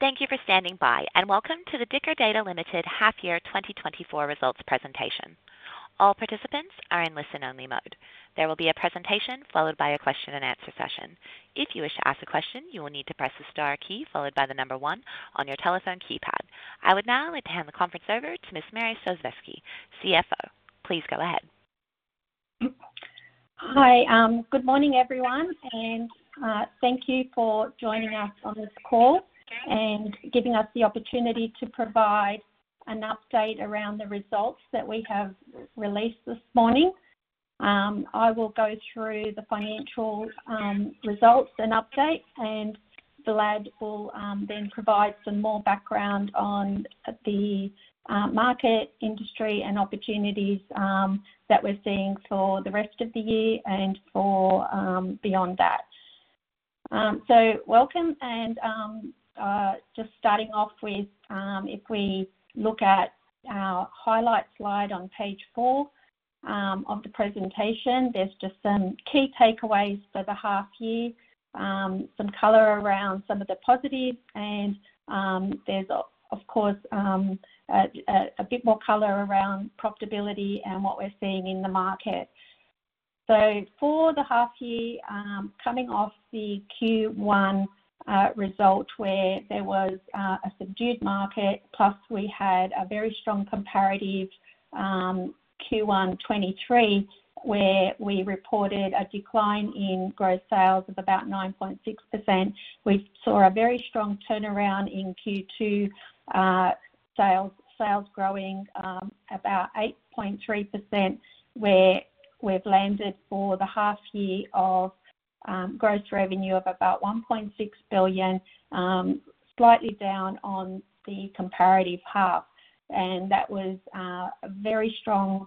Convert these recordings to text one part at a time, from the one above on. Thank you for standing by, and welcome to the Dicker Data Limited Half Year Twenty Twenty-Four Results Presentation. All participants are in listen-only mode. There will be a presentation followed by a question and answer session. If you wish to ask a question, you will need to press the star key followed by the number one on your telephone keypad. I would now like to hand the conference over to Ms. Mary Stojcevski, CFO. Please go ahead. Hi, good morning, everyone, and thank you for joining us on this call and giving us the opportunity to provide an update around the results that we have released this morning. I will go through the financial results and updates, and Vlad will then provide some more background on the market, industry, and opportunities that we're seeing for the rest of the year and for beyond that. Welcome and just starting off with, if we look at our highlight slide on page four of the presentation, there's just some key takeaways for the half year. Some color around some of the positives and there's of course a bit more color around profitability and what we're seeing in the market. So for the half year, coming off the Q1 result, where there was a subdued market, plus we had a very strong comparative Q1 2023, where we reported a decline in gross sales of about 9.6%. We saw a very strong turnaround in Q2, sales growing about 8.3%, where we've landed for the half year of gross revenue of about 1.6 billion, slightly down on the comparative half, and that was a very strong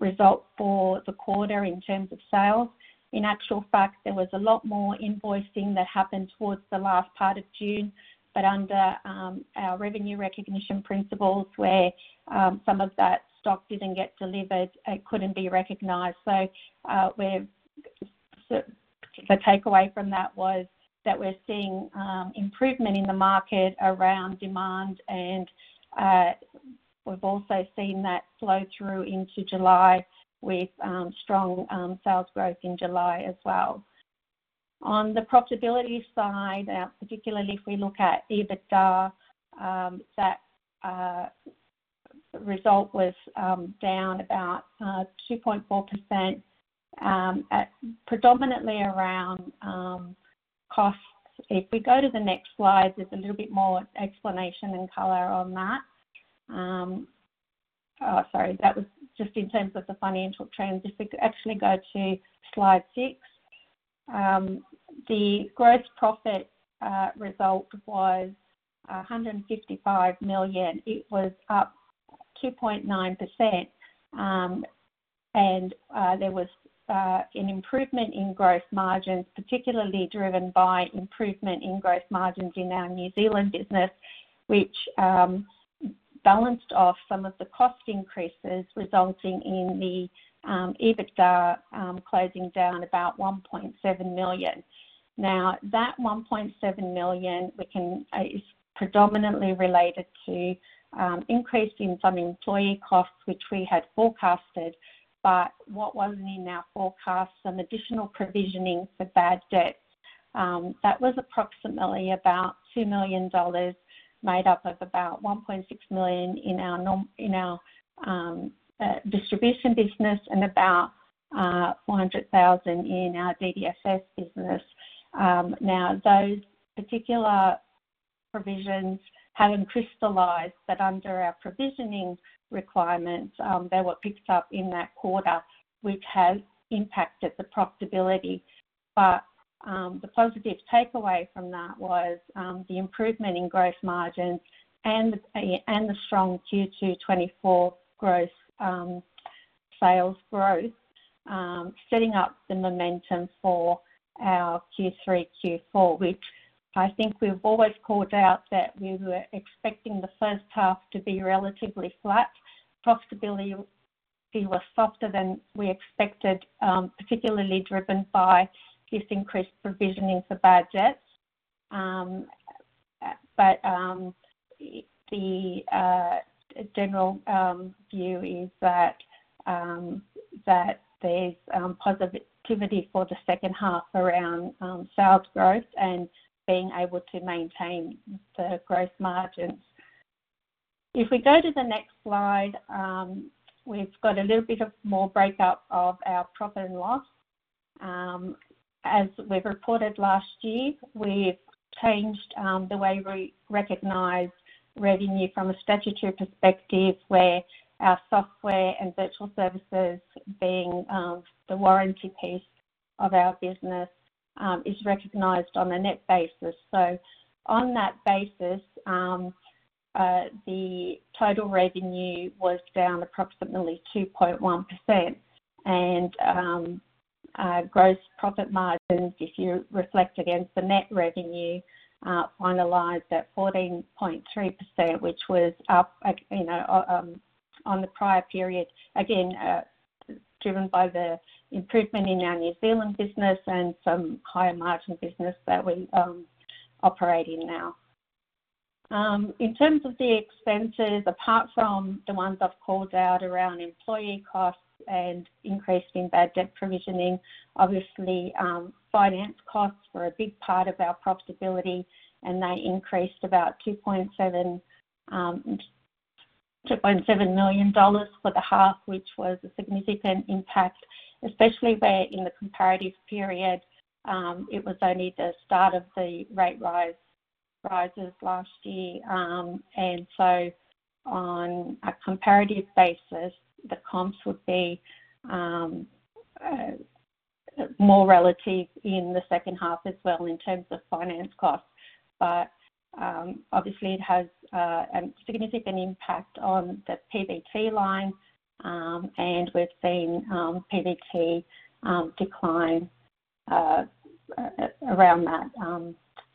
result for the quarter in terms of sales. In actual fact, there was a lot more invoicing that happened towards the last part of June, but under our revenue recognition principles, where some of that stock didn't get delivered, it couldn't be recognized. So, the takeaway from that was that we're seeing improvement in the market around demand and we've also seen that flow through into July with strong sales growth in July as well. On the profitability side, particularly if we look at EBITDA, that result was down about 2.4% at predominantly around costs. If we go to the next slide, there's a little bit more explanation and color on that. Sorry, that was just in terms of the financial trends. If we could actually go to slide six. The gross profit result was 155 million. It was up 2.9%, and there was an improvement in gross margins, particularly driven by improvement in gross margins in our New Zealand business, which balanced off some of the cost increases, resulting in the EBITDA closing down about 1.7 million. Now, that 1.7 million is predominantly related to increase in some employee costs, which we had forecasted, but what wasn't in our forecast, some additional provisioning for bad debts. That was approximately about 2 million dollars, made up of about 1.6 million in our distribution business and about 400,000 in our DaaS business. Now, those particular provisions haven't crystallized, but under our provisioning requirements, they were picked up in that quarter, which has impacted the profitability. But the positive takeaway from that was the improvement in gross margins and the strong Q2 2024 gross sales growth setting up the momentum for our Q3 Q4, which I think we've always called out, that we were expecting the first half to be relatively flat. Profitability was softer than we expected, particularly driven by this increased provisioning for bad debts. But the general view is that there's positivity for the second half around sales growth and being able to maintain the gross margins. If we go to the next slide, we've got a little bit more breakdown of our profit and loss. As we've reported last year, we've changed the way we recognize revenue from a statutory perspective, where our software and virtual services, being the warranty piece of our business, is recognized on a net basis. So on that basis, the total revenue was down approximately 2.1%. And gross profit margins, if you reflect against the net revenue, finalized at 14.3%, which was up, you know, on the prior period, again, driven by the improvement in our New Zealand business and some higher margin business that we operate in now. In terms of the expenses, apart from the ones I've called out around employee costs and increase in bad debt provisioning, obviously, finance costs were a big part of our profitability, and they increased about 2.7 million dollars for the half, which was a significant impact, especially where in the comparative period, it was only the start of the rate rises last year. And so on a comparative basis, the comps would be more relative in the second half as well in terms of finance costs. But obviously, it has a significant impact on the PBT line, and we've seen PBT decline around that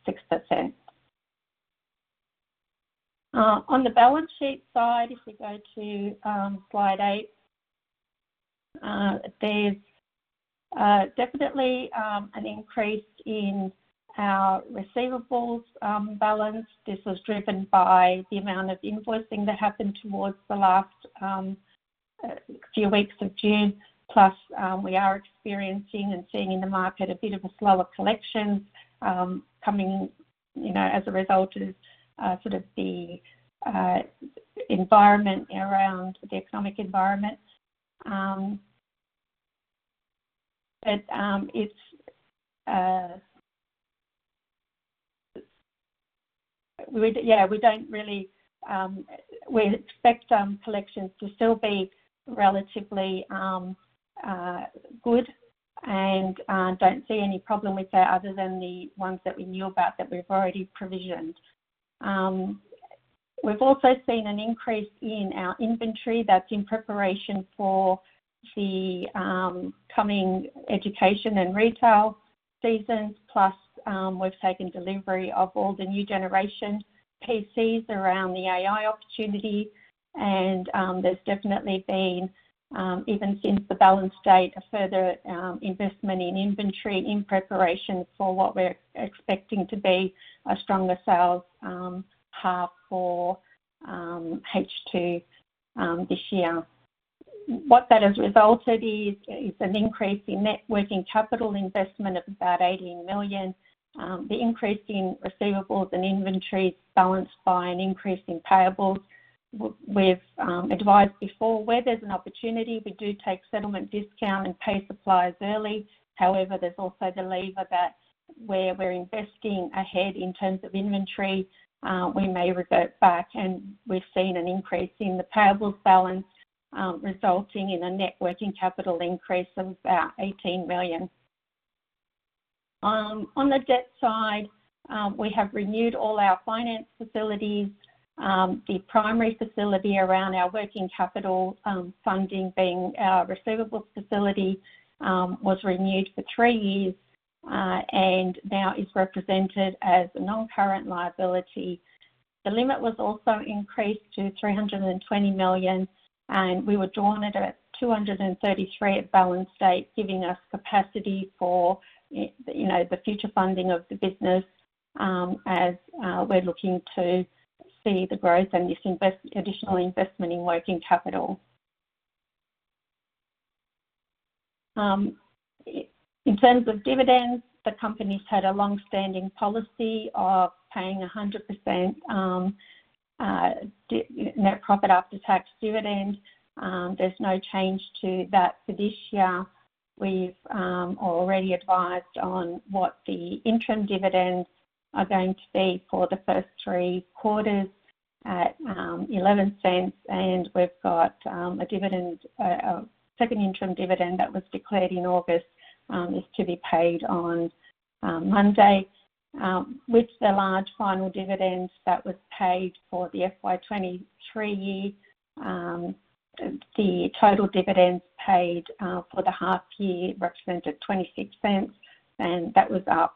6%. On the balance sheet side, if we go to slide eight, there's definitely an increase in our receivables balance. This was driven by the amount of invoicing that happened towards the last few weeks of June, plus we are experiencing and seeing in the market a bit of a slower collection coming, you know, as a result of sort of the environment around the economic environment. But it's... We yeah, we don't really expect collections to still be relatively good, and don't see any problem with that other than the ones that we knew about that we've already provisioned. We've also seen an increase in our inventory that's in preparation for the coming education and retail seasons, plus we've taken delivery of all the new generation PCs around the AI opportunity, and there's definitely been even since the balance date a further investment in inventory in preparation for what we're expecting to be a stronger sales half for H2 this year. What that has resulted in is an increase in net working capital investment of about 18 million. The increase in receivables and inventory is balanced by an increase in payables. We've advised before, where there's an opportunity, we do take settlement discount and pay suppliers early. However, there's also the lever that where we're investing ahead in terms of inventory, we may revert back, and we've seen an increase in the payables balance, resulting in a net working capital increase of about 18 million. On the debt side, we have renewed all our finance facilities. The primary facility around our working capital funding being our receivables facility was renewed for three years, and now is represented as a non-current liability. The limit was also increased to 320 million, and we were drawn at 233 million at balance date, giving us capacity for, you know, the future funding of the business, as we're looking to see the growth and this additional investment in working capital. In terms of dividends, the company's had a long-standing policy of paying 100% net profit after tax dividends. There's no change to that for this year. We've already advised on what the interim dividends are going to be for the first three quarters at 0.11, and we've got a dividend, a second interim dividend that was declared in August is to be paid on Monday. With the large final dividends that was paid for the FY 2023 year, the total dividends paid for the half year represented 0.26, and that was up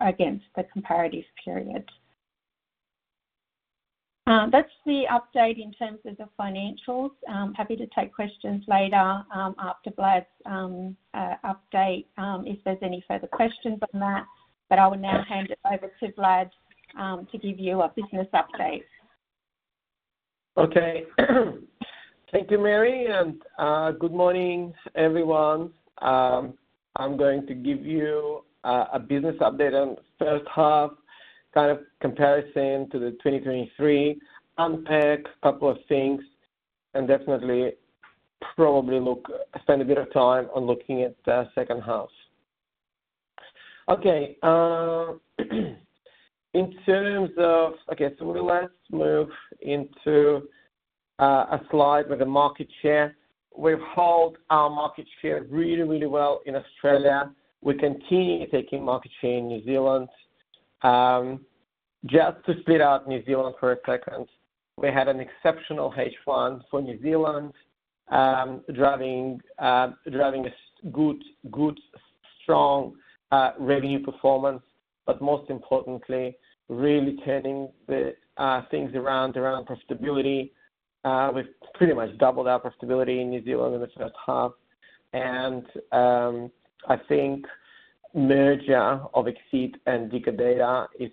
against the comparative period. That's the update in terms of the financials. I'm happy to take questions later, after Vlad's update, if there's any further questions on that, but I will now hand it over to Vlad, to give you a business update. Okay. Thank you, Mary, and good morning, everyone. I'm going to give you a business update on the first half, kind of comparison to the 2023 unpack a couple of things, and definitely probably spend a bit of time on looking at the second half. Okay, in terms of... Okay, so let's move into a slide with a market share. We've held our market share really, really well in Australia. We continue taking market share in New Zealand. Just to split out New Zealand for a second. We had an exceptional H1 for New Zealand, driving driving a good, good strong revenue performance, but most importantly, really turning the things around around profitability. We've pretty much doubled our profitability in New Zealand in the first half. I think merger of Exeed and Dicker Data is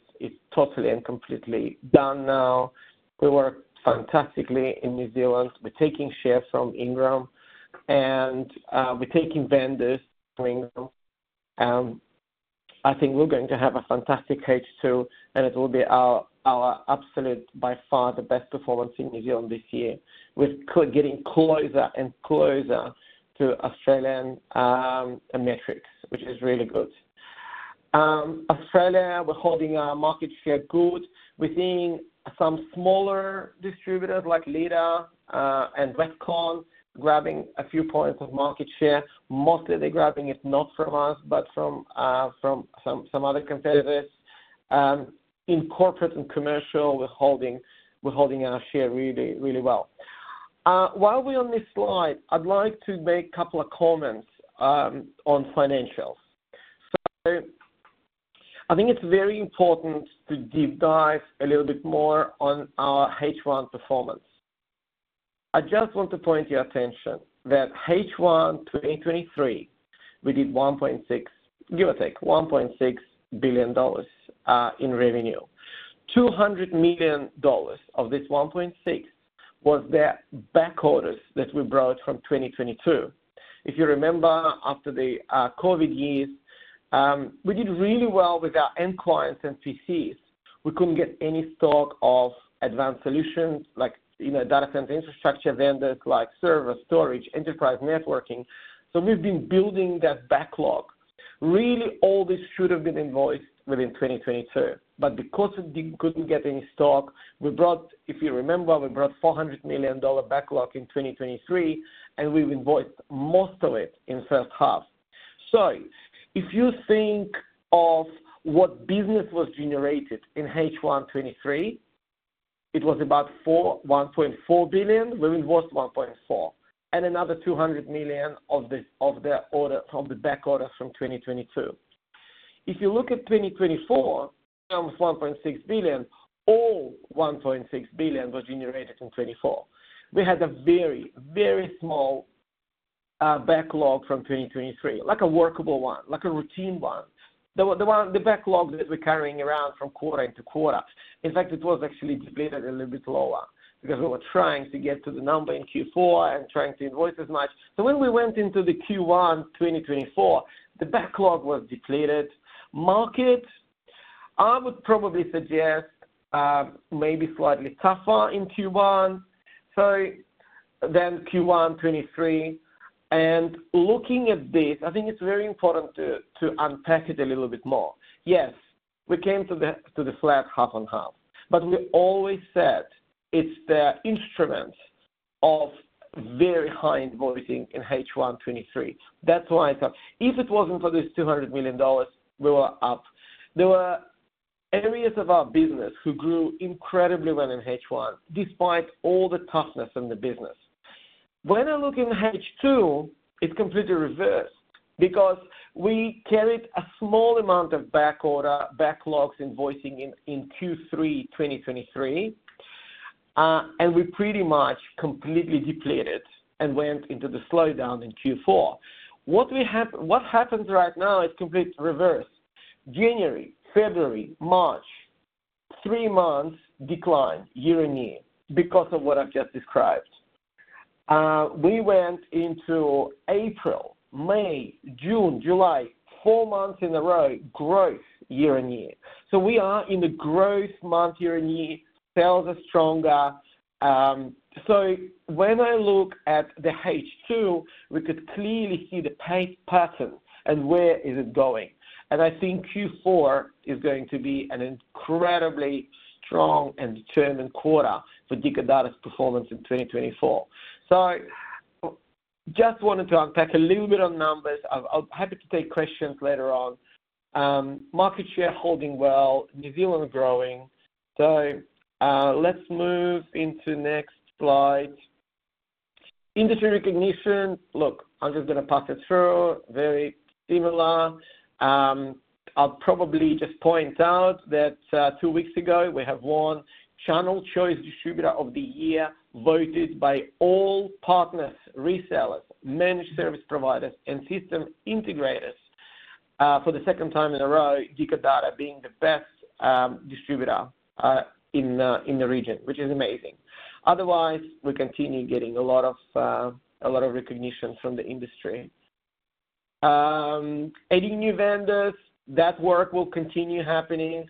totally and completely done now. We work fantastically in New Zealand. We're taking shares from Ingram, and we're taking vendors from Ingram. I think we're going to have a fantastic H2, and it will be our absolute, by far, the best performance in New Zealand this year. We're getting closer and closer to Australian metrics, which is really good. Australia, we're holding our market share good. We're seeing some smaller distributors, like Leader and Westcon, grabbing a few points of market share. Mostly, they're grabbing it not from us, but from some other competitors. In corporate and commercial, we're holding our share really, really well. While we're on this slide, I'd like to make a couple of comments on financials. I think it's very important to deep dive a little bit more on our H1 performance. I just want to point your attention that H1 2023, we did 1.6 billion, give or take, in revenue. 200 million dollars of this 1.6 billion was the backorders that we brought from 2022. If you remember, after the COVID years, we did really well with our end clients and PCs. We couldn't get any stock of advanced solutions, like, you know, data center infrastructure vendors, like server, storage, enterprise networking. So we've been building that backlog. Really, all this should have been invoiced within 2022, but because we couldn't get any stock, we brought. If you remember, we brought 400 million dollar backlog in 2023, and we've invoiced most of it in first half. So if you think of what business was generated in H1 2023, it was about 1.4 billion. We invoiced one point four, and another 200 million of the orders from the backorders from 2022. If you look at 2024, it was 1.6 billion. All 1.6 billion was generated in 2024. We had a very, very small backlog from 2023, like a workable one, like a routine one. The one, the backlog that we're carrying around from quarter into quarter. In fact, it was actually depleted a little bit lower because we were trying to get to the number in Q4 and trying to invoice as much. So when we went into the Q1 2024, the backlog was depleted. Market, I would probably suggest, maybe slightly tougher in Q1, so then Q1 2023. Looking at this, I think it's very important to unpack it a little bit more. Yes, we came to the flat half on half, but we always said it's the instrument of very high invoicing in H1 2023. That's why. If it wasn't for this 200 million dollars, we were up. There were areas of our business who grew incredibly well in H1, despite all the toughness in the business. When I look in H2, it completely reversed because we carried a small amount of backorder, backlogs, invoicing in Q3 2023, and we pretty much completely depleted and went into the slowdown in Q4. What happens right now is complete reverse. January, February, March, three months decline year on year because of what I've just described. We went into April, May, June, July, four months in a row, growth year on year. So we are in the growth mode year on year. Sales are stronger. So when I look at the H2, we could clearly see the pace pattern and where is it going. And I think Q4 is going to be an incredibly strong and determined quarter for Dicker Data's performance in 2024. So just wanted to unpack a little bit on numbers. I'll be happy to take questions later on. Market share holding well, New Zealand growing. So, let's move into next slide. Industry recognition. Look, I'm just gonna pass it through. Very similar. I'll probably just point out that, two weeks ago, we have won Channel Choice Distributor of the Year, voted by all partners, resellers, managed service providers, and system integrators. For the second time in a row, Dicker Data being the best distributor in the region, which is amazing. Otherwise, we continue getting a lot of recognition from the industry. Adding new vendors, that work will continue happening.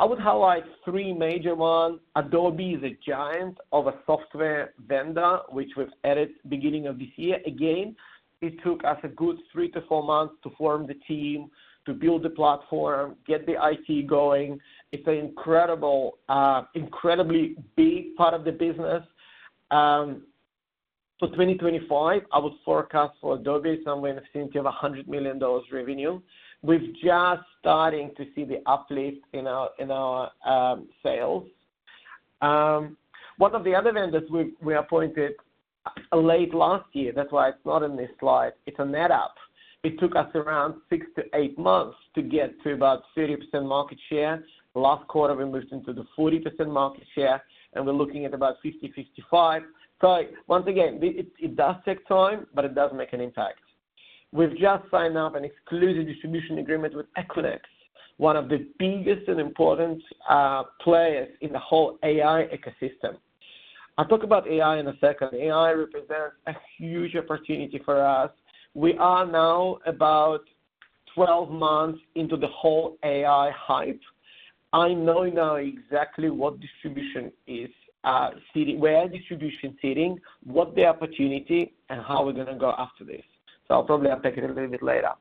I would highlight three major ones. Adobe is a giant of a software vendor, which we've added beginning of this year. Again, it took us a good three to four months to form the team, to build the platform, get the IT going. It's an incredible, incredibly big part of the business. For 2025, I would forecast for Adobe somewhere in the vicinity of 100 million dollars revenue. We've just starting to see the uplift in our sales. One of the other vendors we appointed late last year, that's why it's not in this slide, it's NetApp. It took us around six to eight months to get to about 30% market share. Last quarter, we moved into the 40% market share, and we're looking at about 50-55. Once again, it does take time, but it does make an impact. We've just signed up an exclusive distribution agreement with Equinix, one of the biggest and important players in the whole AI ecosystem. I'll talk about AI in a second. AI represents a huge opportunity for us. We are now about twelve months into the whole AI hype. I know now exactly where our distribution is sitting, what the opportunity, and how we're gonna go after this. So I'll probably unpack it a little bit later.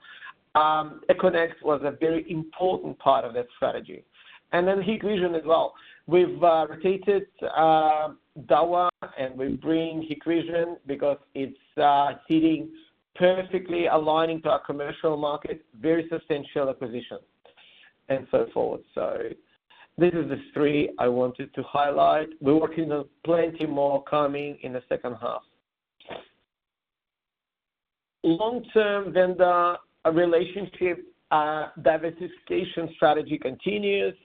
Equinix was a very important part of that strategy, and then Hikvision as well. We've rotated Dahua, and we bring Hikvision because it's sitting perfectly aligning to our commercial market, very substantial acquisition, and so forth. So this is the three I wanted to highlight. We're working on plenty more coming in the second half. Long-term vendor relationship diversification strategy continues.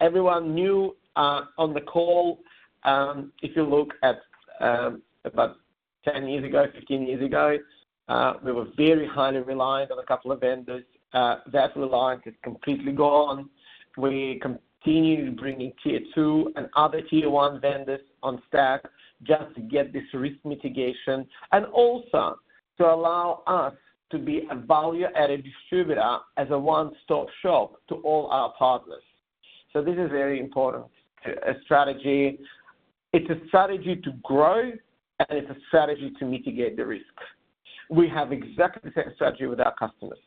Everyone new on the call, if you look at about ten years ago, fifteen years ago, we were very highly reliant on a couple of vendors. That reliance is completely gone. We continue to bring in tier two and other tier one vendors on stack just to get this risk mitigation and also to allow us to be a value-added distributor as a one-stop shop to all our partners. So this is very important strategy. It's a strategy to grow, and it's a strategy to mitigate the risk. We have exactly the same strategy with our customers,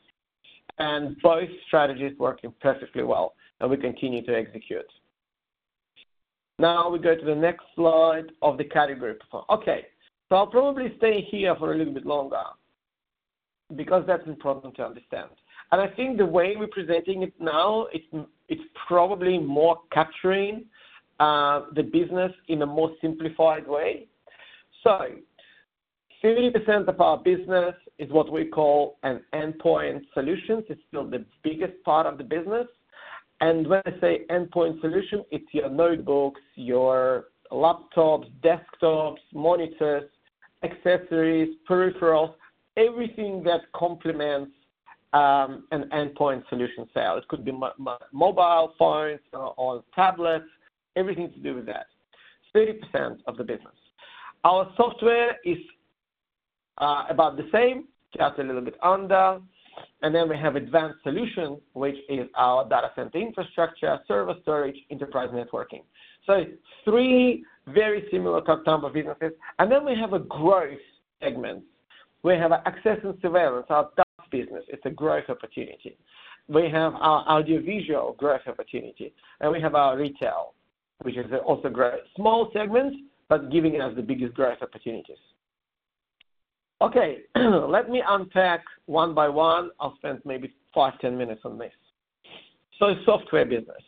and both strategies working perfectly well, and we continue to execute. Now, we go to the next slide of the category performance. Okay, so I'll probably stay here for a little bit longer because that's important to understand, and I think the way we're presenting it now, it's probably more capturing the business in a more simplified way, so 30% of our business is what we call an endpoint solutions. It's still the biggest part of the business. When I say endpoint solution, it's your notebooks, your laptops, desktops, monitors, accessories, peripherals, everything that complements an endpoint solution sale. It could be mobile phones or tablets, everything to do with that, 30% of the business. Our software is about the same, just a little bit under. And then we have advanced solutions, which is our data center infrastructure, server storage, enterprise networking. So three very similar type of businesses. And then we have a growth segment. We have our access and surveillance, our top business. It's a growth opportunity. We have our audiovisual growth opportunity, and we have our retail, which is also growth. Small segments, but giving us the biggest growth opportunities. Okay, let me unpack one by one. I'll spend maybe five, ten minutes on this. So software business.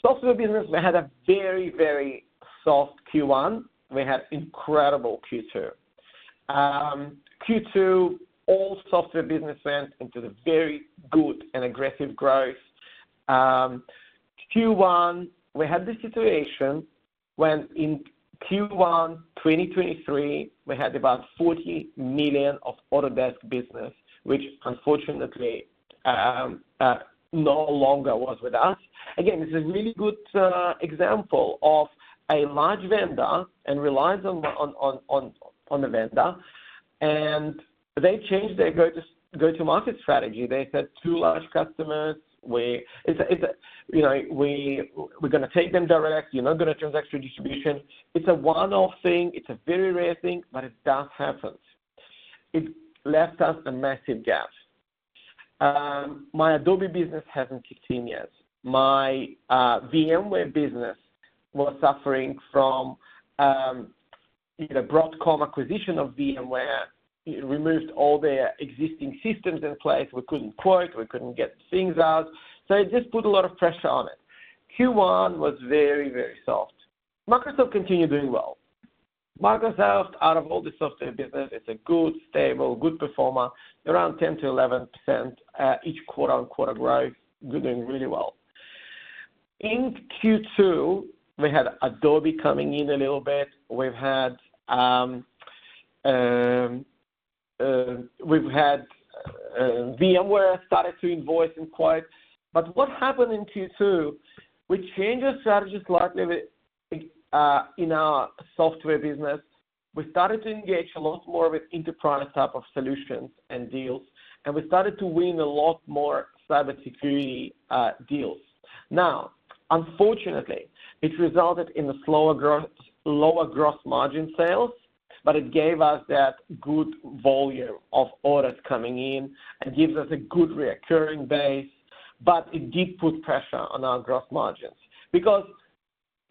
Software business, we had a very, very soft Q1. We had incredible Q2. Q2, all software business went into very good and aggressive growth. Q1, we had this situation when in Q1, twenty twenty-three, we had about 40 million of Autodesk business, which unfortunately no longer was with us. Again, this is a really good example of a large vendor and relies on the vendor, and they changed their go-to-market strategy. They said, "Two large customers, it's a, you know, we're gonna take them direct. We're not gonna go through distribution." It's a one-off thing. It's a very rare thing, but it does happen. It left us a massive gap. My Adobe business hasn't kicked in yet. My VMware business was suffering from, you know, Broadcom acquisition of VMware. It removed all their existing systems in place. We couldn't quote, we couldn't get things out, so it just put a lot of pressure on it. Q1 was very, very soft. Microsoft continued doing well. Microsoft, out of all the software business, is a good, stable, good performer, around 10-11% each quarter on quarter growth. We're doing really well. In Q2, we had Adobe coming in a little bit. We've had VMware started to invoice and quote. But what happened in Q2, we changed our strategies slightly with in our software business. We started to engage a lot more with enterprise type of solutions and deals, and we started to win a lot more cybersecurity deals. Now, unfortunately, it resulted in a slower growth - lower gross margin sales, but it gave us that good volume of orders coming in and gives us a good recurring base, but it did put pressure on our gross margins. Because,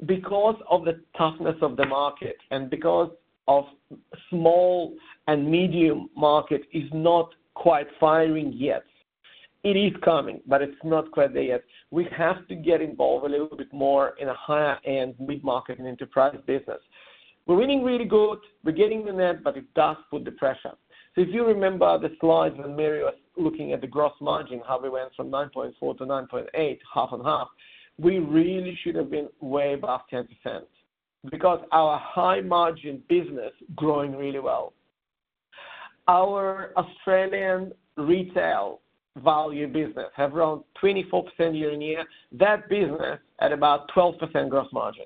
because of the toughness of the market and because of small and medium market is not quite firing yet. It is coming, but it's not quite there yet. We have to get involved a little bit more in a higher-end mid-market and enterprise business. We're winning really good, we're getting the net, but it does put the pressure. So if you remember the slides when Mary was looking at the gross margin, how we went from 9.4%-9.8%, half and half, we really should have been way above 10%, because our high-margin business growing really well. Our Australian retail value business have grown 24% year-on-year, that business at about 12% gross margin.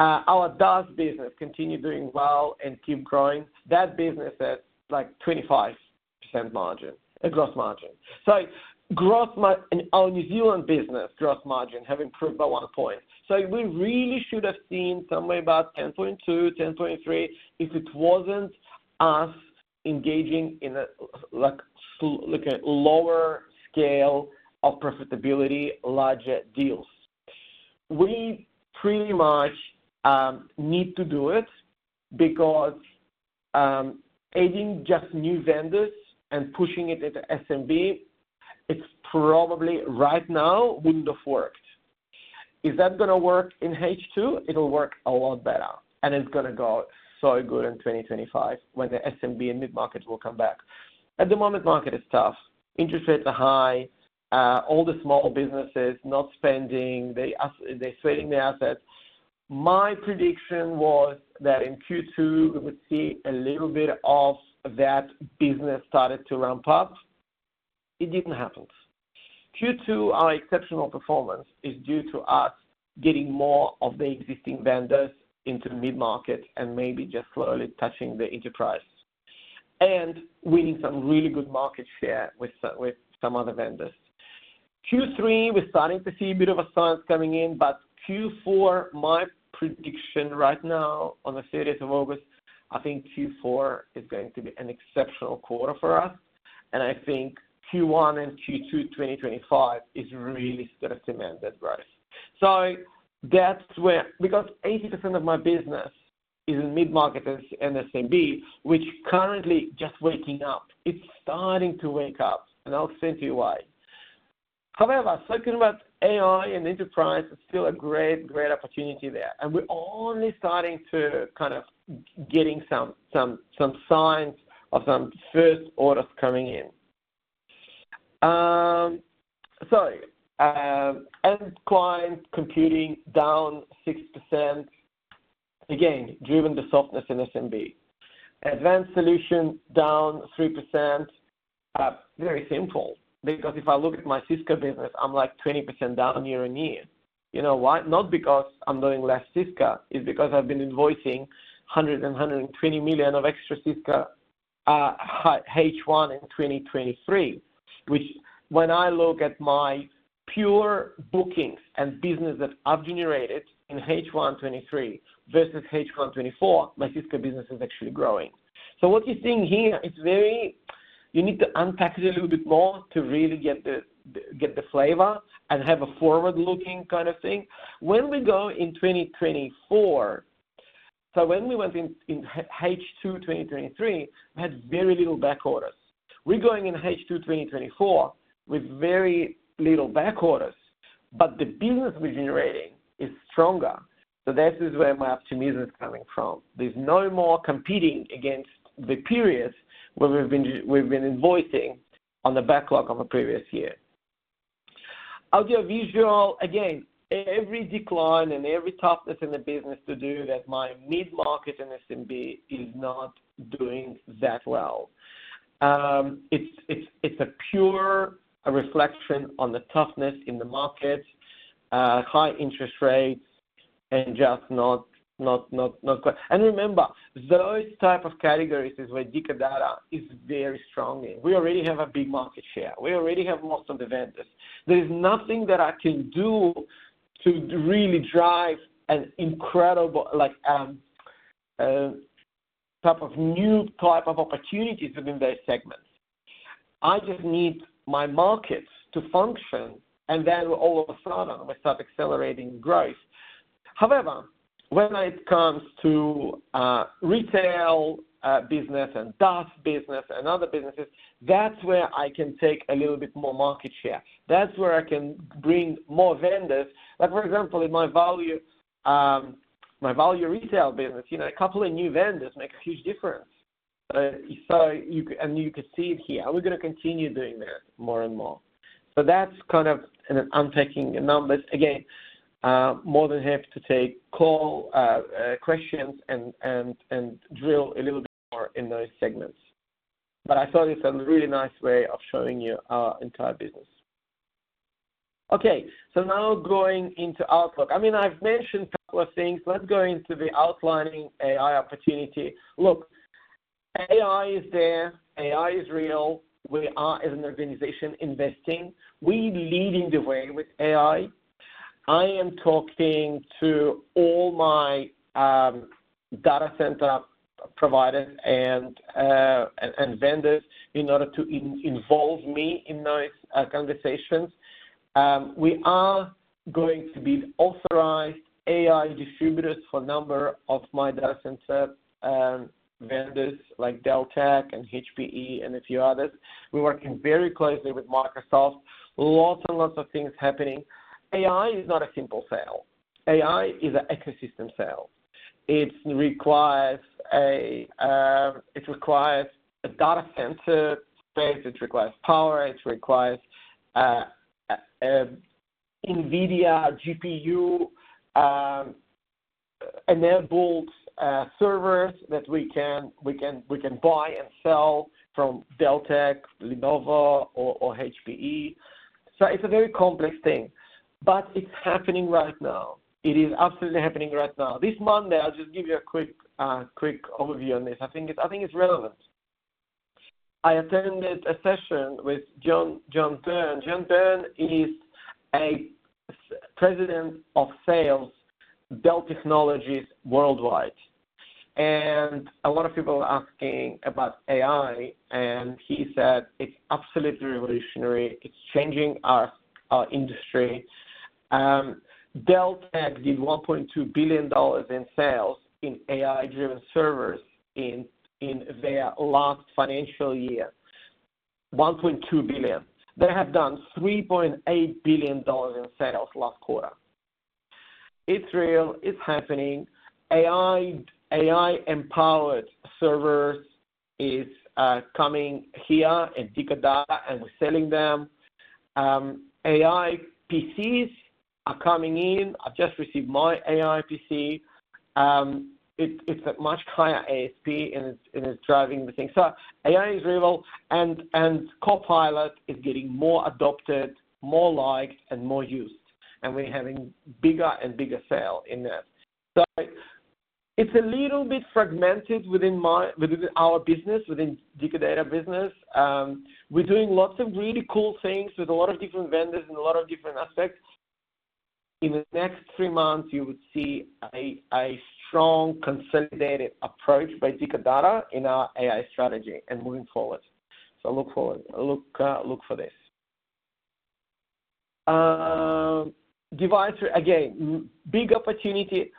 Our DaaS business continue doing well and keep growing. That business is, like, 25% margin, gross margin. And our New Zealand business gross margin have improved by one point. So we really should have seen somewhere about 10.2, 10.3, if it wasn't us engaging in a, like, like a lower scale of profitability, larger deals. We pretty much need to do it because adding just new vendors and pushing it into SMB, it's probably right now wouldn't have worked. Is that gonna work in H2? It'll work a lot better, and it's gonna go so good in 2025 when the SMB and mid-market will come back. At the moment, market is tough. Interest rates are high. All the small businesses not spending, they're selling their assets. My prediction was that in Q2, we would see a little bit of that business started to ramp up. It didn't happen. Q2, our exceptional performance is due to us getting more of the existing vendors into mid-market and maybe just slowly touching the enterprise. We need some really good market share with some other vendors. Q3, we're starting to see a bit of a science coming in, but Q4, my prediction right now, on the thirtieth of August, I think Q4 is going to be an exceptional quarter for us, and I think Q1 and Q2 twenty twenty-five is really gonna cement that growth. So that's where because 80% of my business is in mid-market and SMB, which currently just waking up. It's starting to wake up, and I'll say to you why. However, talking about AI and enterprise, it's still a great, great opportunity there, and we're only starting to kind of getting some signs of some first orders coming in. So, end client computing down 6%, again, driven the softness in SMB. Advanced solution down 3%. Very simple, because if I look at my Cisco business, I'm, like, 20% down year-on-year. You know why? Not because I'm doing less Cisco, it's because I've been invoicing a hundred and twenty million of extra Cisco, H1 in 2023, which when I look at my pure bookings and business that I've generated in H1 2023 versus H1 2024, my Cisco business is actually growing. So what you're seeing here, it's very you need to unpack it a little bit more to really get the flavor and have a forward-looking kind of thing. When we go in twenty twenty-four, so when we went in, in H2 twenty twenty-three, we had very little back orders. We're going in H2 twenty twenty-four with very little back orders, but the business we're generating is stronger. So this is where my optimism is coming from. There's no more competing against the periods where we've been invoicing on the backlog of a previous year. Audio visual, again, every decline and every toughness in the business to do that, my mid-market and SMB is not doing that well. It's a pure reflection on the toughness in the market, high interest rates and just not good. Remember, those type of categories is where Dicker Data is very strong in. We already have a big market share. We already have lots of vendors. There is nothing that I can do to really drive an incredible, like, type of new opportunities within those segments. I just need my markets to function, and then all of a sudden, we start accelerating growth. However, when it comes to retail business and DaaS business and other businesses, that's where I can take a little bit more market share. That's where I can bring more vendors. Like, for example, in my value retail business, you know, a couple of new vendors make a huge difference. So you can see it here, and we're gonna continue doing that more and more. So that's kind of an unpacking the numbers. Again, more than happy to take call, questions and drill a little bit more in those segments. But I thought it's a really nice way of showing you our entire business. Okay, so now going into outlook. I mean, I've mentioned a couple of things. Let's go into the outlining AI opportunity. Look, AI is there, AI is real. We are, as an organization, investing. We leading the way with AI. I am talking to all my data center providers and vendors in order to involve me in those conversations. We are going to be authorized AI distributors for a number of my data center vendors, like Dell Tech and HPE, and a few others. We're working very closely with Microsoft. Lots and lots of things happening. AI is not a simple sale. AI is an ecosystem sale. It requires a data center space, it requires power, it requires NVIDIA GPU enabled servers that we can buy and sell from Dell Tech, Lenovo, or HPE. So it's a very complex thing, but it's happening right now. It is absolutely happening right now. This Monday, I'll just give you a quick overview on this. I think it's relevant. I attended a session with John Byrne. John Byrne is President of Sales, Dell Technologies Worldwide, and a lot of people are asking about AI, and he said it's absolutely revolutionary, it's changing our industry. Dell Tech did $1.2 billion in sales in AI-driven servers in their last financial year. They have done 3.8 billion dollars in sales last quarter. It's real, it's happening. AI, AI-empowered servers is coming here in Dicker Data, and we're selling them. AI PCs are coming in. I've just received my AI PC. It's a much higher ASP, and it's driving the thing. So AI is real, and Copilot is getting more adopted, more liked, and more used, and we're having bigger and bigger sale in that. So it's a little bit fragmented within our business, within Dicker Data business. We're doing lots of really cool things with a lot of different vendors and a lot of different aspects. In the next three months, you would see a strong, consolidated approach by Dicker Data in our AI strategy and moving forward. So look forward. Look, look for this. Device, again, big opportunity.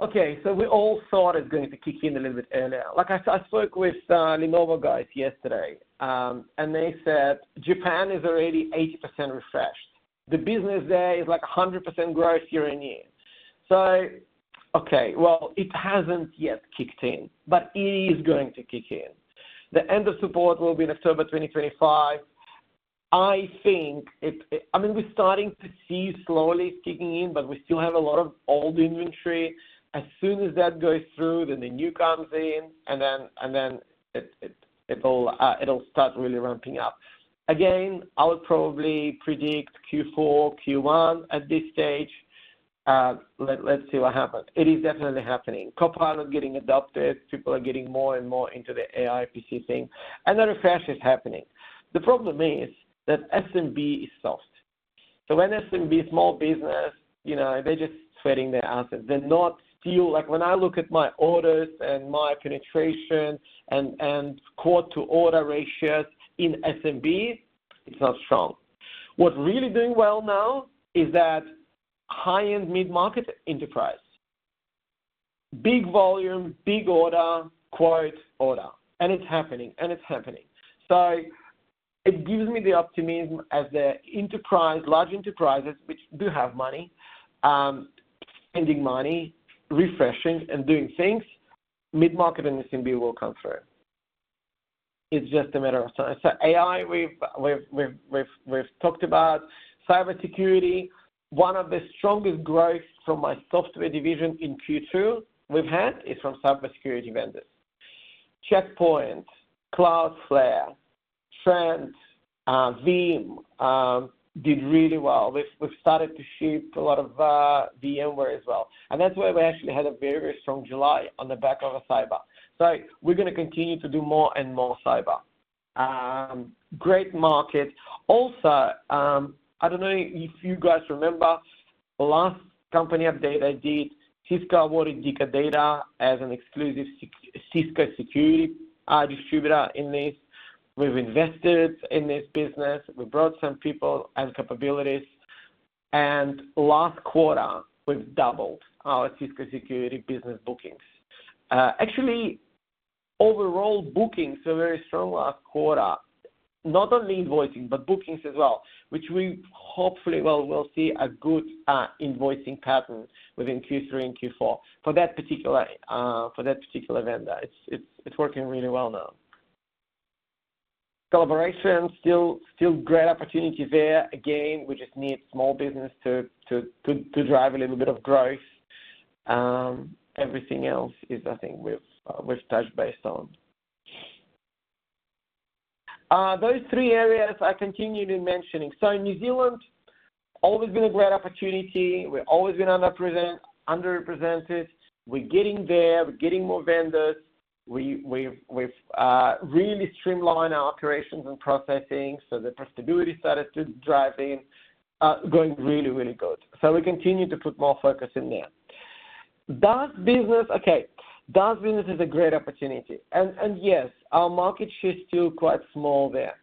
Okay, so we all thought it's going to kick in a little bit earlier. Like I spoke with Lenovo guys yesterday, and they said Japan is already 80% refreshed. The business there is like 100% growth year on year. So, okay, well, it hasn't yet kicked in, but it is going to kick in. The end of support will be in October twenty twenty-five. I think it, I mean, we're starting to see slowly kicking in, but we still have a lot of old inventory. As soon as that goes through, then the new comes in, and then it, it'll start really ramping up. Again, I would probably predict Q4, Q1 at this stage. Let's see what happens. It is definitely happening. Copilot getting adopted, people are getting more and more into the AI PC thing, and the refresh is happening. The problem is that SMB is soft. So when SMB, small business, you know, they're just sweating their assets. They're not like, when I look at my orders and my penetration and quote to order ratios in SMB, it's not strong. What's really doing well now is that high-end mid-market enterprise, big volume, big order, quote, order, and it's happening. So it gives me the optimism as the enterprise, large enterprises, which do have money, spending money, refreshing and doing things, mid-market and SMB will come through. It's just a matter of time. So AI, we've talked about. Cybersecurity, one of the strongest growth from my software division in Q2 we've had is from cybersecurity vendors. Check Point, Cloudflare, Trend, Veeam did really well. We've started to ship a lot of VMware as well, and that's why we actually had a very strong July on the back of a cyber. So we're gonna continue to do more and more cyber. Great market. Also, I don't know if you guys remember, the last company update I did, Cisco awarded Dicker Data as an exclusive Cisco security distributor in this. We've invested in this business. We brought some people and capabilities, and last quarter, we've doubled our Cisco security business bookings. Actually, overall bookings are very strong last quarter. Not only invoicing, but bookings as well, which we hopefully will see a good invoicing pattern within Q3 and Q4 for that particular vendor. It's working really well now. Collaboration, still a great opportunity there. Again, we just need small business to drive a little bit of growth. Everything else is, I think, we've touched base on. Those three areas I continued mentioning, so New Zealand always been a great opportunity. We've always been underrepresented. We're getting there, we're getting more vendors. We've really streamlined our operations and processing, so the profitability started to drive in, going really, really good, so we continue to put more focus in there. DaaS business, okay, DaaS business is a great opportunity, and yes, our market share is still quite small there.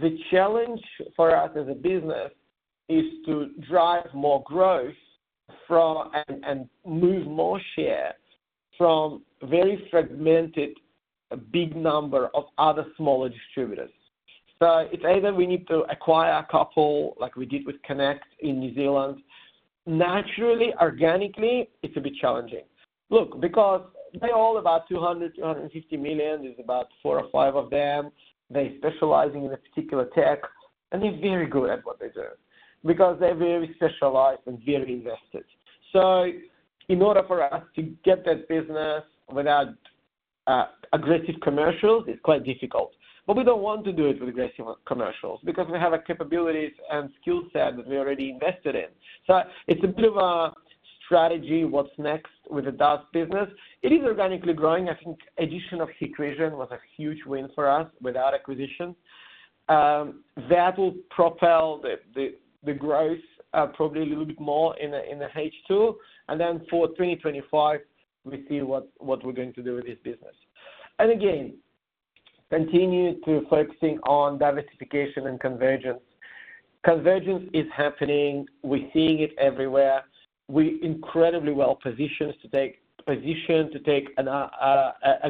The challenge for us as a business is to drive more growth from and move more shares from very fragmented, a big number of other smaller distributors. So it's either we need to acquire a couple, like we did with Connect in New Zealand. Naturally, organically, it's a bit challenging. Look, because they're all about 200- 250 million, there's about four or five of them. They specialize in a particular tech, and they're very good at what they do because they're very specialized and very invested. So in order for us to get that business without aggressive commercials, it's quite difficult. But we don't want to do it with aggressive commercials because we have a capabilities and skill set that we already invested in. So it's a bit of a strategy, what's next with the DaaS business. It is organically growing. I think addition of Exeed was a huge win for us with our acquisition. That will propel the growth probably a little bit more in the H2 and then for 2025 we see what we're going to do with this business. Again, continue to focusing on diversification and convergence. Convergence is happening. We're seeing it everywhere. We're incredibly well-positioned to take a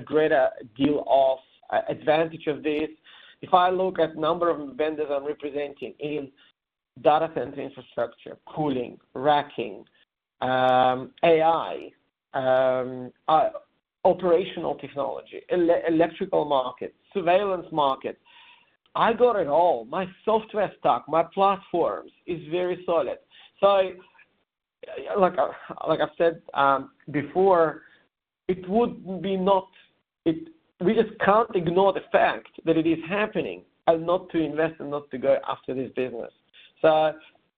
greater deal of advantage of this. If I look at number of vendors I'm representing in data center infrastructure, cooling, racking, AI, operational technology, electrical markets, surveillance markets, I got it all. My software stock, my platforms, is very solid so like I said before we just can't ignore the fact that it is happening, and not to invest and not to go after this business so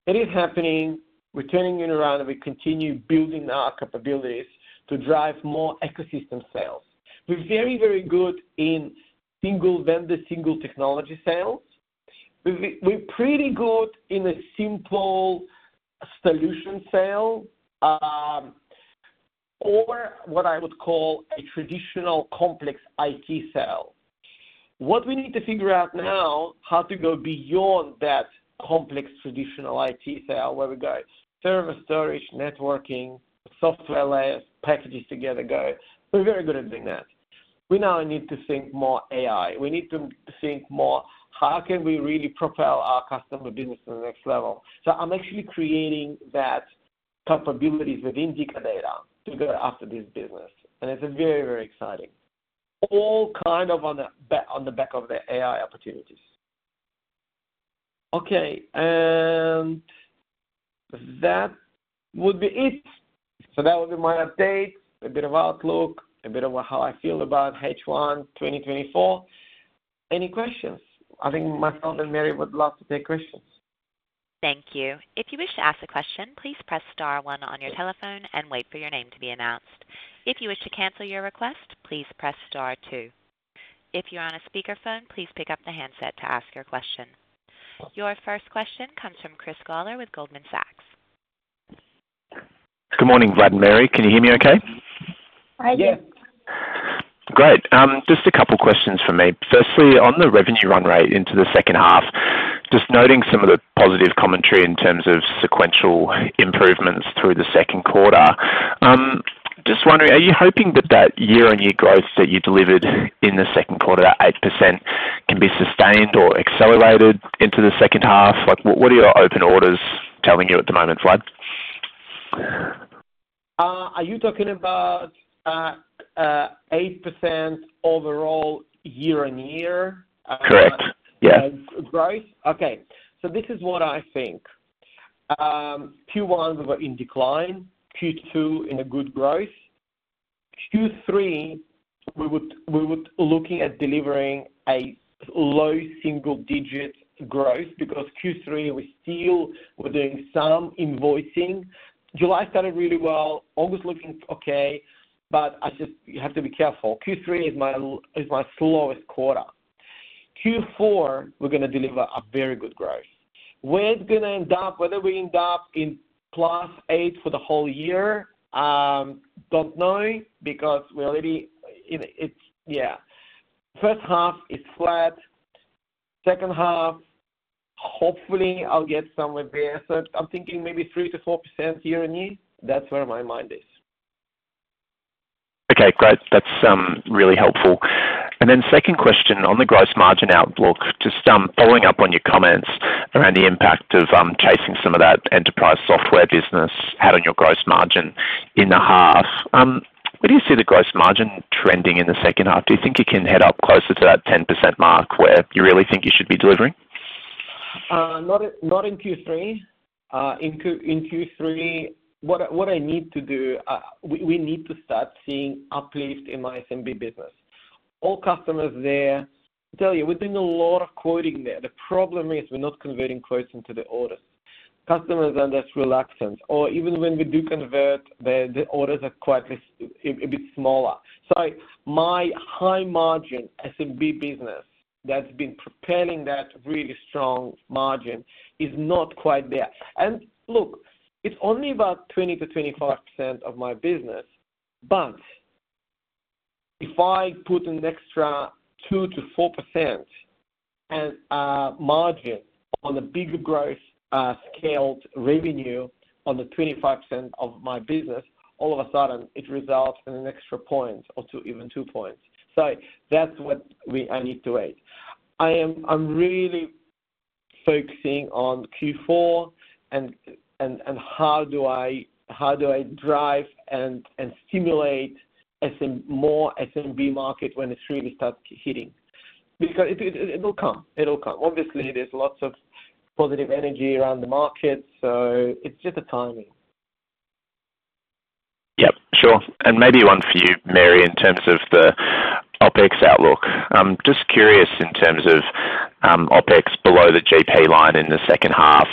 it is happening. We're turning it around, and we continue building our capabilities to drive more ecosystem sales. We're very, very good in single vendor, single technology sales. We, we're pretty good in a simple solution sale, or what I would call a traditional complex IT sale. What we need to figure out now, how to go beyond that complex traditional IT sale, where we got server storage, networking, software layers, packages together go. We're very good at doing that. We now need to think more AI. We need to think more, how can we really propel our customer business to the next level? So I'm actually creating that capabilities within Dicker Data to go after this business, and it's very, very exciting. All kind of on the back, on the back of the AI opportunities. Okay, and that would be it. So that would be my update, a bit of outlook, a bit of how I feel about H1, 2024. Any questions? I think Michael and Mary would love to take questions. Thank you. If you wish to ask a question, please press star one on your telephone and wait for your name to be announced. If you wish to cancel your request, please press star two. If you're on a speakerphone, please pick up the handset to ask your question. Your first question comes from Chris Gawler with Goldman Sachs. Good morning, Vlad and Mary. Can you hear me okay? I do. Yeah. Great. Just a couple questions for me. Firstly, on the revenue run rate into the second half, just noting some of the positive commentary in terms of sequential improvements through the second quarter. Just wondering, are you hoping that that year-on-year growth that you delivered in the second quarter, that 8%, can be sustained or accelerated into the second half? Like, what, what are your open orders telling you at the moment, Vlad? Are you talking about 8% overall year-on-year? Correct. Yes. Growth? Okay, so this is what I think. Q1, we were in decline, Q2 in a good growth. Q3, we would looking at delivering a low single-digit growth, because Q3, we still were doing some invoicing. July started really well, August looking okay, but I just... You have to be careful. Q3 is my slowest quarter. Q4, we're gonna deliver a very good growth. Where it's gonna end up, whether we end up in plus 8% for the whole year, don't know, because we already, it, it's... Yeah. First half is flat. Second half, hopefully, I'll get somewhere there. So I'm thinking maybe 3%-4% year on year. That's where my mind is. Okay, great. That's really helpful. And then second question on the gross margin outlook, just following up on your comments around the impact of chasing some of that enterprise software business had on your gross margin in the half. Where do you see the gross margin trending in the second half? Do you think you can head up closer to that 10% mark where you really think you should be delivering? Not in Q3. In Q3, what I need to do, we need to start seeing uplift in my SMB business. All customers there, I tell you, we're doing a lot of quoting there. The problem is we're not converting quotes into the orders. Customers are less reluctant, or even when we do convert, the orders are quite a bit smaller. So my high margin SMB business that's been propelling that really strong margin is not quite there. And look, it's only about 20%-25% of my business, but... If I put an extra 2%-4% and margin on the bigger growth, scaled revenue on the 25% of my business, all of a sudden it results in an extra point or two, even two points. I'm really focusing on Q4 and how do I drive and stimulate SMB market when it's really start hitting? Because it will come. It'll come. Obviously, there's lots of positive energy around the market, so it's just a timing. Yep, sure. And maybe one for you, Mary, in terms of the OpEx outlook. I'm just curious in terms of OpEx below the GP line in the second half.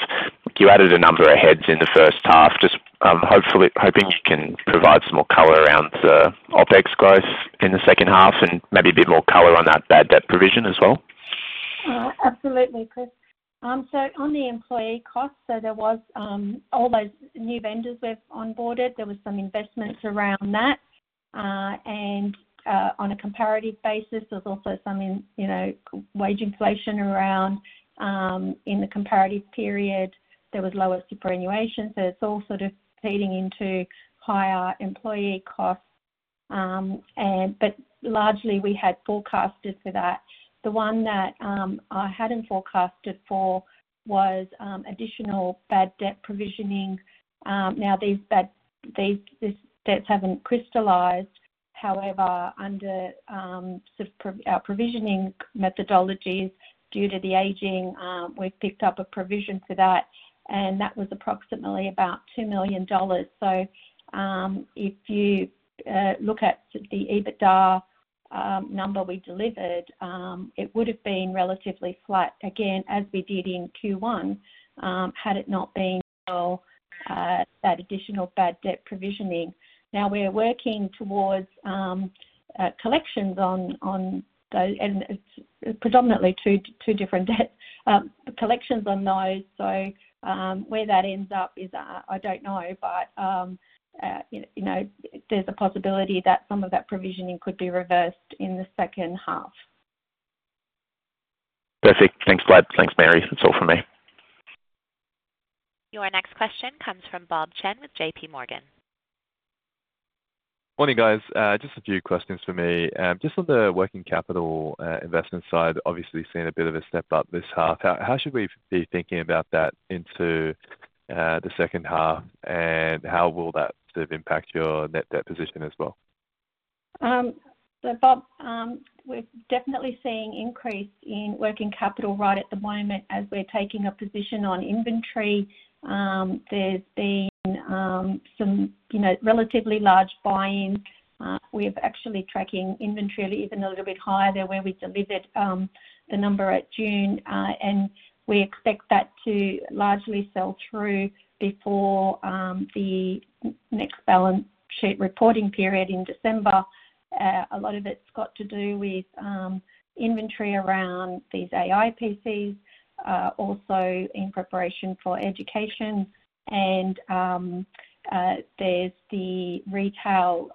You added a number of heads in the first half. Just, hopefully, hoping you can provide some more color around the OpEx growth in the second half, and maybe a bit more color on that bad debt provision as well. Absolutely, Chris. So on the employee costs, so there was all those new vendors we've onboarded, there was some investments around that. And on a comparative basis, there's also some in, you know, wage inflation around. In the comparative period, there was lower superannuation, so it's all sort of feeding into higher employee costs. And but largely, we had forecasted for that. The one that I hadn't forecasted for was additional bad debt provisioning. Now, these bad debts haven't crystallized. However, under sort of our provisioning methodologies due to the aging, we've picked up a provision for that, and that was approximately about 2 million dollars. So, if you look at the EBITDA number we delivered, it would have been relatively flat, again, as we did in Q1, had it not been, well, that additional bad debt provisioning. Now, we're working towards collections on those, and it's predominantly two different debt collections on those. So, where that ends up is, I don't know, but, you know, there's a possibility that some of that provisioning could be reversed in the second half. Perfect. Thanks, Vlad. Thanks, Mary. That's all from me. Your next question comes from Bob Chen with JPMorgan. Morning, guys. Just a few questions for me. Just on the working capital investment side, obviously seen a bit of a step up this half. How should we be thinking about that into the second half, and how will that sort of impact your net debt position as well? So Bob, we're definitely seeing increase in working capital right at the moment as we're taking a position on inventory. There's been some, you know, relatively large buy-in. We're actually tracking inventory even a little bit higher than where we delivered the number at June. And we expect that to largely sell through before the next balance sheet reporting period in December. A lot of it's got to do with inventory around these AI PCs, also in preparation for education, and there's the retail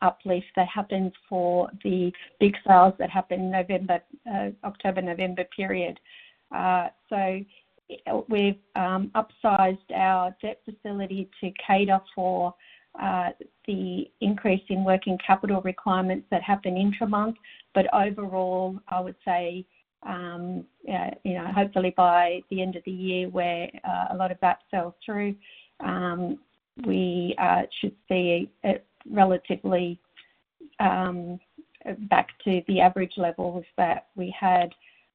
uplift that happened for the big sales that happened November, October-November period. So we've upsized our debt facility to cater for the increase in working capital requirements that happen intra-month. But overall, I would say, you know, hopefully by the end of the year where a lot of that sells through, we should see a relatively back to the average levels that we had,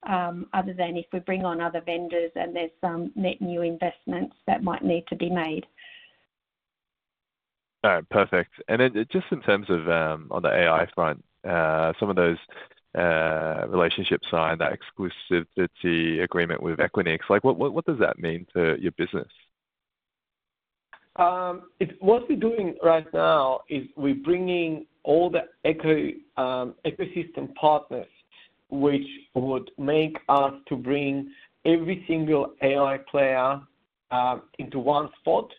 other than if we bring on other vendors and there's some net new investments that might need to be made. All right. Perfect. And then just in terms of, on the AI front, some of those relationships signed, that exclusivity agreement with Equinix, like, what does that mean to your business? It's what we're doing right now is we're bringing all the ecosystem partners, which would make us to bring every single AI player into one spot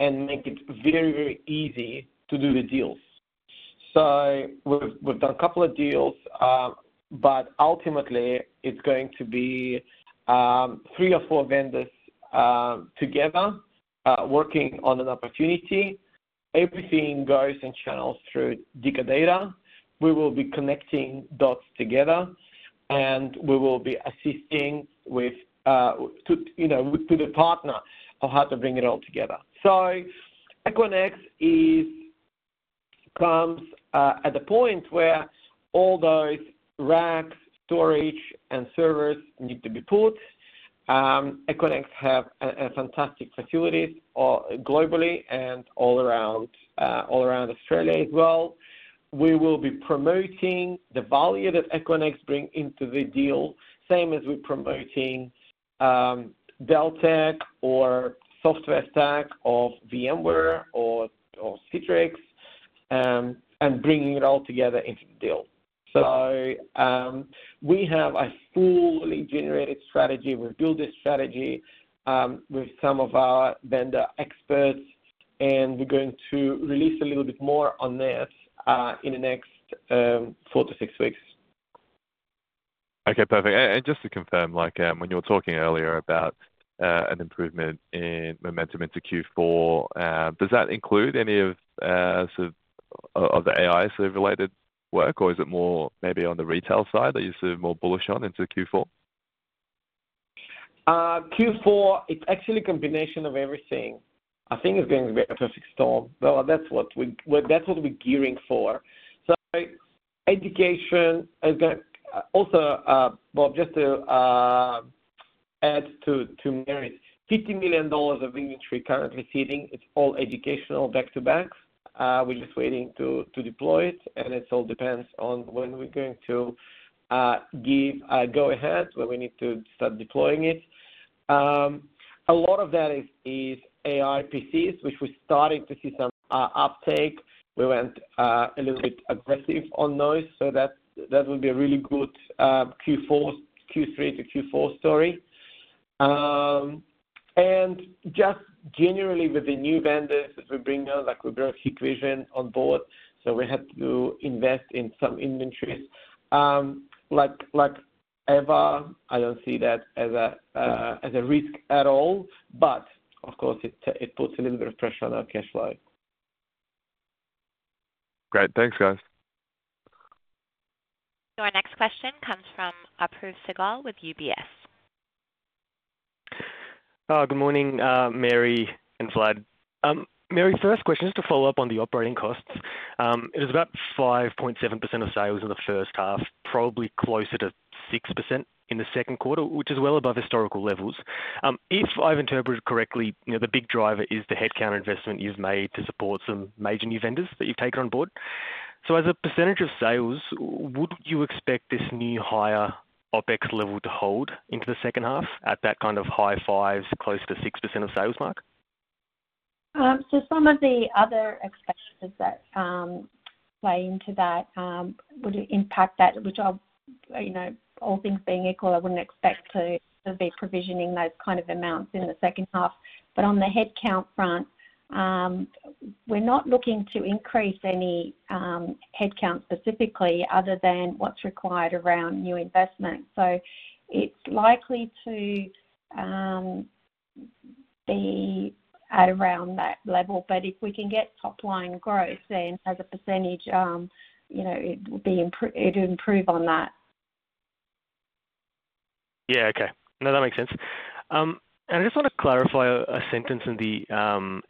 and make it very, very easy to do the deals. So we've done a couple of deals, but ultimately, it's going to be three or four vendors together working on an opportunity. Everything goes and channels through Dicker Data. We will be connecting dots together, and we will be assisting with to you know to the partner on how to bring it all together. So Equinix comes at the point where all those racks, storage, and servers need to be put. Equinix have a fantastic facilities globally and all around Australia as well. We will be promoting the value that Equinix bring into the deal, same as we're promoting, Dell Tech or software stack of VMware or Citrix, and bringing it all together into the deal. So, we have a fully generated strategy. We build this strategy, with some of our vendor experts, and we're going to release a little bit more on that, in the next, four to six weeks. Okay, perfect. And just to confirm, like, when you were talking earlier about an improvement in momentum into Q4, does that include any of sort of the AI sort of related work, or is it more maybe on the retail side that you're sort of more bullish on into Q4? Q4, it's actually a combination of everything. I think it's going to be a perfect storm. Well, that's what we, well, that's what we're gearing for. So education is also, well, just to add to Mary, 50 million dollars of inventory currently sitting, it's all educational, back-to-back. We're just waiting to deploy it, and it all depends on when we're going to give a go ahead, when we need to start deploying it. A lot of that is AI PCs, which we're starting to see some uptake. We went a little bit aggressive on those, so that will be a really good Q4, Q3 to Q4 story. And just generally with the new vendors that we bring on, like we brought Hikvision on board, so we had to invest in some inventories. Like ever, I don't see that as a risk at all, but of course, it puts a little bit of pressure on our cash flow. Great. Thanks, guys. So our next question comes from Apoorv Sehgal with UBS. Good morning, Mary and Vlad. Mary, first question, just to follow up on the operating costs. It was about 5.7% of sales in the first half, probably closer to 6% in the second quarter, which is well above historical levels. If I've interpreted correctly, you know, the big driver is the headcount investment you've made to support some major new vendors that you've taken on board. So as a percentage of sales, would you expect this new higher OpEx level to hold into the second half at that kind of high fives, close to 6% of sales mark? So some of the other expenses that play into that would impact that, which I'll, you know, all things being equal, I wouldn't expect to be provisioning those kind of amounts in the second half. But on the headcount front, we're not looking to increase any headcount specifically other than what's required around new investment. So it's likely to be at around that level. But if we can get top line growth, then as a percentage, you know, it will be improve, it'll improve on that. Yeah, okay. No, that makes sense. And I just want to clarify a sentence in the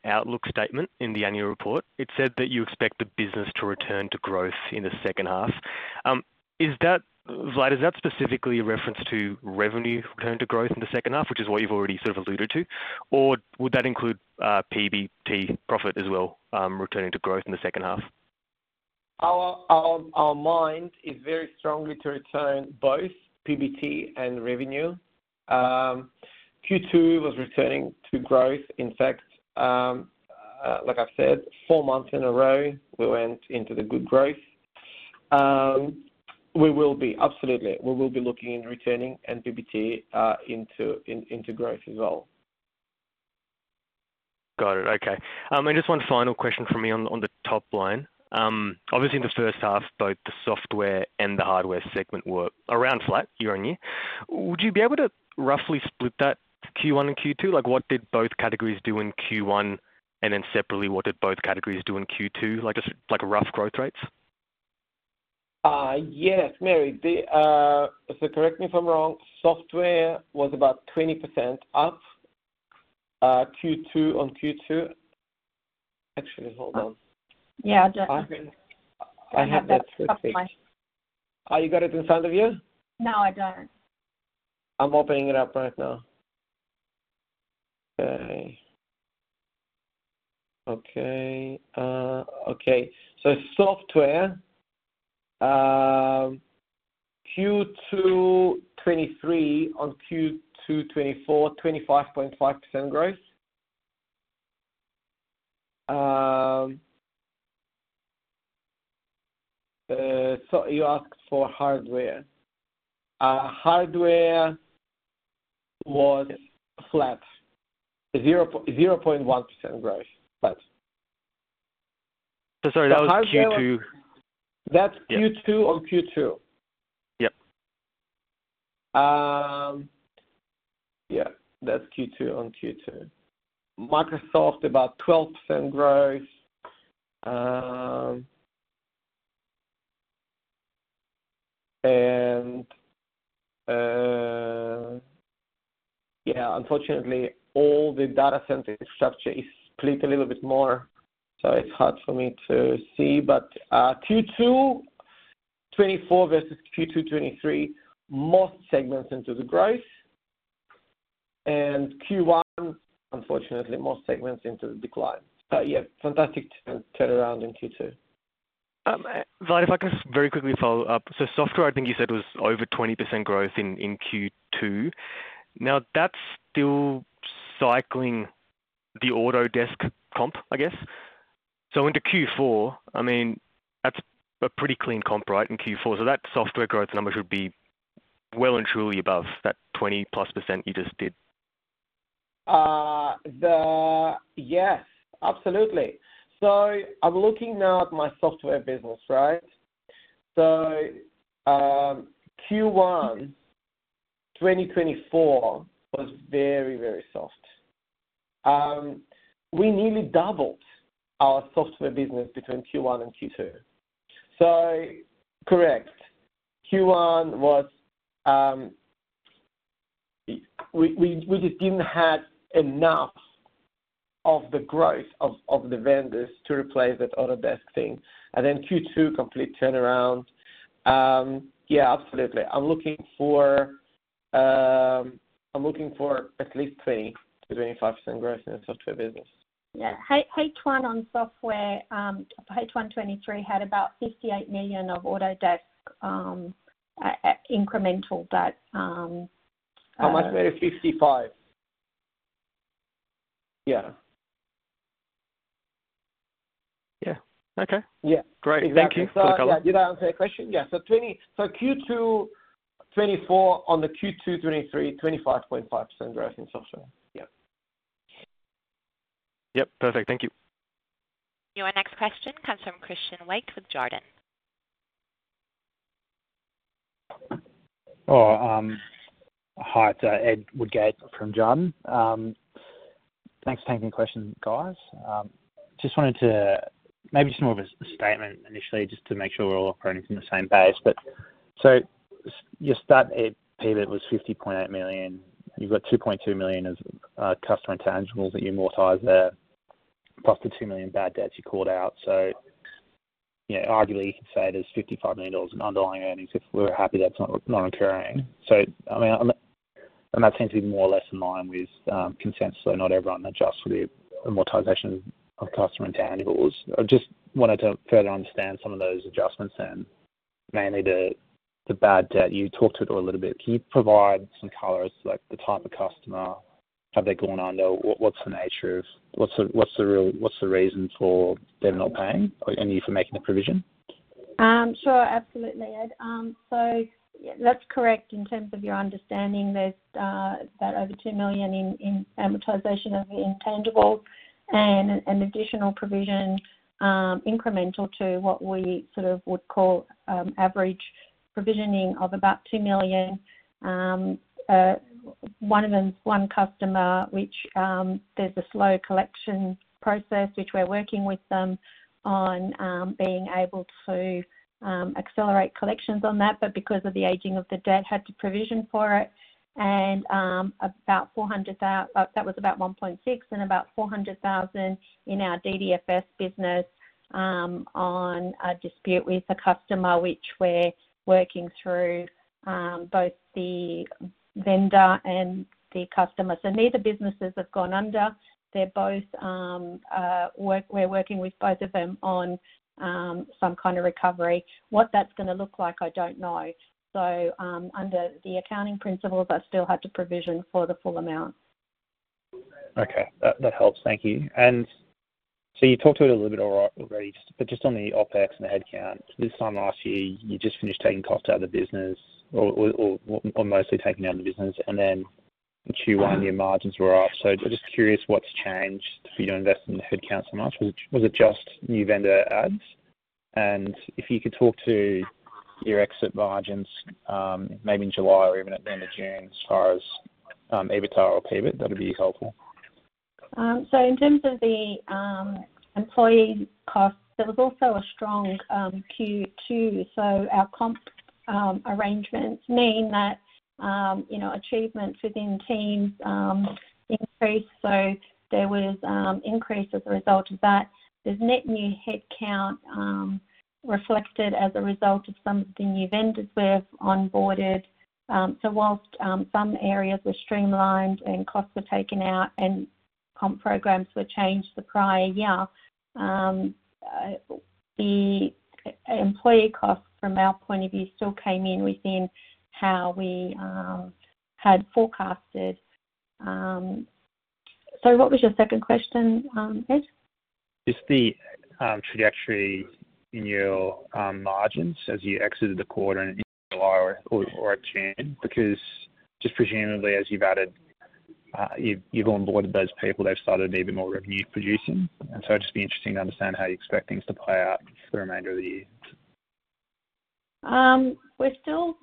outlook statement in the annual report. It said that you expect the business to return to growth in the second half. Is that, Vlad, is that specifically a reference to revenue return to growth in the second half, which is what you've already sort of alluded to? Or would that include PBT profit as well, returning to growth in the second half? Our mind is very strongly to return both PBT and revenue. Q2 was returning to growth. In fact, like I've said, four months in a row, we went into the good growth. We will be, absolutely, we will be looking in returning and PBT, into growth as well. Got it. Okay, and just one final question for me on the top line. Obviously, in the first half, both the software and the hardware segment were around flat year-on-year. Would you be able to roughly split that Q1 and Q2? Like, what did both categories do in Q1, and then separately, what did both categories do in Q2? Like, just, like, rough growth rates. Yes, Mary, so correct me if I'm wrong, software was about 20% up, Q2 on Q2. Actually, hold on. Yeah, just- I have that. That's off my- Oh, you got it in front of you? No, I don't. I'm opening it up right now. Okay. Software Q2 2023 on Q2 2024, 25.5% growth. You asked for hardware. Hardware was flat, 0.1% growth. But- So sorry, that was Q2? That's Q2 on Q2. Yep. Yeah, that's Q2 on Q2. Microsoft, about 12% growth. And, yeah, unfortunately, all the data center structure is split a little bit more, so it's hard for me to see. But, Q2 2024 versus Q2 2023, most segments into the growth. And Q1, unfortunately, most segments into the decline. But yeah, fantastic turnaround in Q2. Vlad, if I could just very quickly follow up. So software, I think you said, was over 20% growth in Q2. Now, that's still cycling the Autodesk comp, I guess. So into Q4, I mean, that's a pretty clean comp, right, in Q4. So that software growth number should be well and truly above that 20+% you just did? Yes, absolutely. I'm looking now at my software business, right? Q1 2024 was very, very soft. We nearly doubled our software business between Q1 and Q2. Correct, Q1 was. We just didn't have enough of the growth of the vendors to replace that Autodesk thing, and then Q2, complete turnaround. Yeah, absolutely. I'm looking for at least 20%-25% growth in the software business. Yeah. H1 on software, H1 2023 had about 58 million of Autodesk, incremental, but- How much made it 55? Yeah. Yeah. Okay. Yeah. Great. Thank you. Did I answer your question? Yeah. So Q2 2024 on the Q2 2023, 25.5% growth in software. Yeah. Yep, perfect. Thank you. Your next question comes from Christian Waked with Jarden. Oh, hi, it's Ed Woodgate from Jarden. Thanks for taking the question, guys. Just wanted to maybe just more of a statement initially, just to make sure we're all operating from the same base. But so your start at PBT was 50.8 million. You've got 2.2 million of customer intangibles that you amortize there, plus the 2 million bad debts you called out. So, you know, arguably you could say there's 55 million dollars in underlying earnings if we're happy that's not occurring. So I mean, and that seems to be more or less in line with consensus, so not everyone adjusts for the amortization of customer intangibles. I just wanted to further understand some of those adjustments and mainly the bad debt. You talked it a little bit. Can you provide some color as to, like, the type of customer? Have they gone under? What's the reason for them not paying, and you for making the provision? Sure, absolutely, Ed. So yeah, that's correct in terms of your understanding. There's about over 2 million in amortization of the intangibles and an additional provision, incremental to what we sort of would call average provisioning of about 2 million. One of them, one customer, which there's a slow collection process, which we're working with them on, being able to accelerate collections on that, but because of the aging of the debt, had to provision for it. And about four hundred thou-- That was about 1.6 million and about 400,000 in our DDFS business, on a dispute with a customer, which we're working through both the vendor and the customer. So neither businesses have gone under. They're both. We're working with both of them on some kind of recovery. What that's gonna look like, I don't know. So, under the accounting principles, I still had to provision for the full amount. Okay, that helps. Thank you. And so you talked to it a little bit already, but just on the OpEx and the headcount, this time last year, you just finished taking costs out of the business or mostly taking down the business, and then Q1, your margins were off. So just curious, what's changed for you to invest in the headcount so much? Was it just new vendor adds? And if you could talk to your exit margins, maybe in July or even at the end of June, as far as EBITDA or PBT, that would be helpful. So in terms of the employee costs, it was also a strong Q2, so our comp arrangements mean that you know, achievements within teams increased, so there was increase as a result of that. There's net new headcount reflected as a result of some of the new vendors we've onboarded. So whilst some areas were streamlined and costs were taken out and comp programs were changed the prior year, the employee costs from our point of view still came in within how we had forecasted. So what was your second question, Ed? Just the trajectory in your margins as you exited the quarter in July or June, because just presumably, as you've added, you've onboarded those people, they've started even more revenue-producing. And so it'd just be interesting to understand how you expect things to play out for the remainder of the year. We're still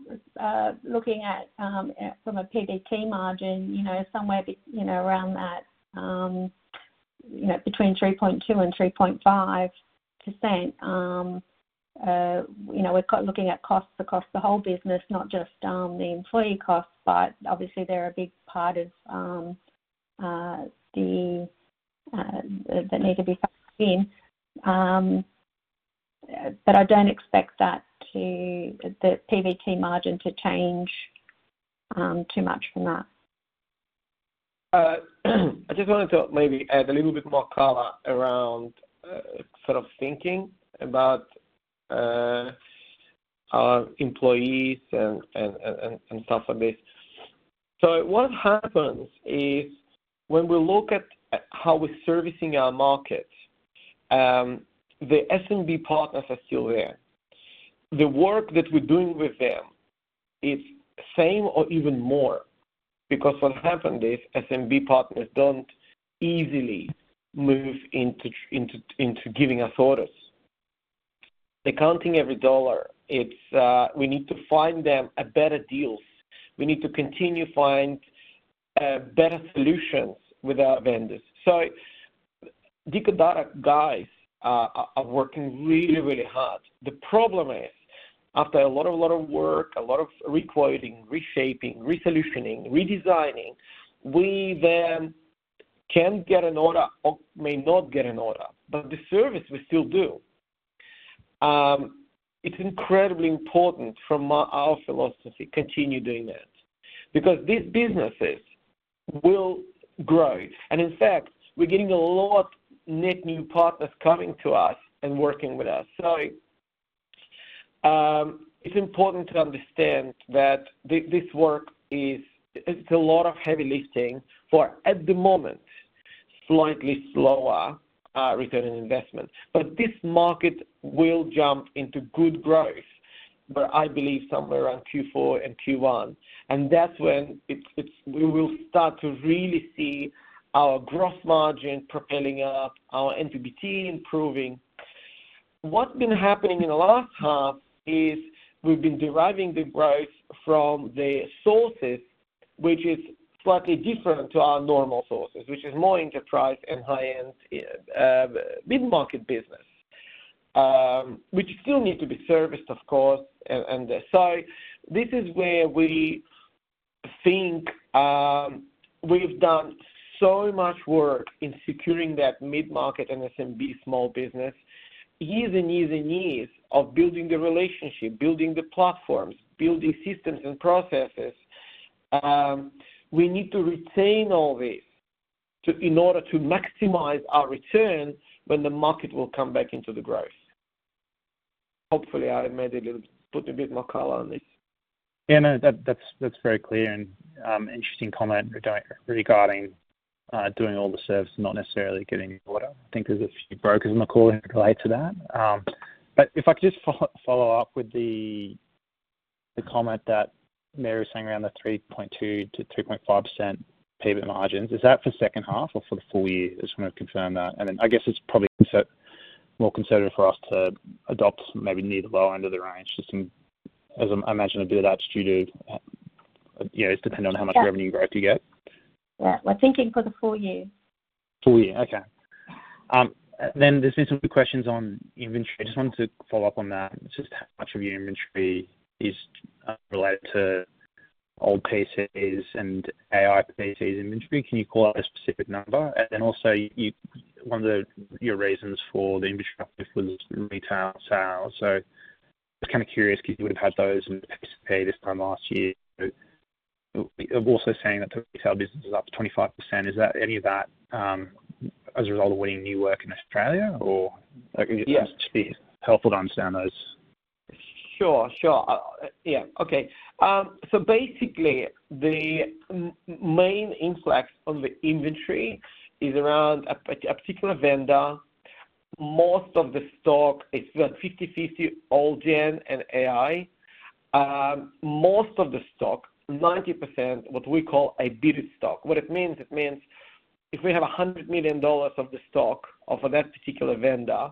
looking at from a PBT margin, you know, somewhere around that, you know, between 3.2 and 3.5%. You know, we're looking at costs across the whole business, not just the employee costs, but obviously, they're a big part of the costs that need to be factored in. But I don't expect that, the PBT margin, to change too much from that. I just wanted to maybe add a little bit more color around, sort of thinking about, our employees and stuff like this. So what happens is, when we look at how we're servicing our market, the SMB partners are still there. The work that we're doing with them is same or even more, because what happened is SMB partners don't easily move into giving us orders. They're counting every dollar. It's, we need to find them a better deals. We need to continue find, better solutions with our vendors. So the Codara guys are working really hard. The problem is, after a lot of work, a lot of re-quoting, reshaping, re-solutioning, redesigning, we then can get an order or may not get an order, but the service we still do. It's incredibly important from our philosophy to continue doing that, because these businesses will grow, and in fact, we're getting a lot net new partners coming to us and working with us, so it's important to understand that this work is a lot of heavy lifting for, at the moment, slightly slower return on investment, but this market will jump into good growth, but I believe somewhere around Q4 and Q1, and that's when we will start to really see our gross margin propelling up, our NPAT improving. has been happening in the last half is we've been deriving the growth from the sources, which is slightly different to our normal sources, which is more enterprise and high-end mid-market business, which still need to be serviced, of course, and so this is where we think we've done so much work in securing that mid-market and SMB small business, years and years and years of building the relationship, building the platforms, building systems and processes. We need to retain all this to, in order to maximize our return when the market will come back into the growth. Hopefully, I made a little, put a bit more color on this. Yeah, no, that's very clear and interesting comment regarding doing all the service, not necessarily getting order. I think there's a few brokers in the call who relate to that. But if I could just follow up with the comment that Mary was saying around the 3.2%-3.5% EBITDA margins. Is that for second half or for the full year? Just want to confirm that. And then I guess it's probably more conservative for us to adopt maybe near the low end of the range, just some as I imagine a bit of that's due to, you know, it's depending on how much- Yeah... revenue growth you get. Yeah, we're thinking for the full year. Full year, okay. Then there's been some good questions on inventory. I just wanted to follow up on that. Just how much of your inventory is related to old PCs and AI PCs inventory? Can you call out a specific number? And then also, your reasons for the inventory was retail sales. So I was kind of curious, because you would have had those in place this time last year. So, also saying that the retail business is up 25%, is that any of that as a result of winning new work in Australia, or- Yeah. It'd just be helpful to understand those. Sure, sure. Yeah, okay. So basically, the main influx on the inventory is around a particular vendor. Most of the stock, it's about 50/50, old gen and AI. Most of the stock, 90%, what we call a bid stock. What it means, it means if we have 100 million dollars of the stock of that particular vendor,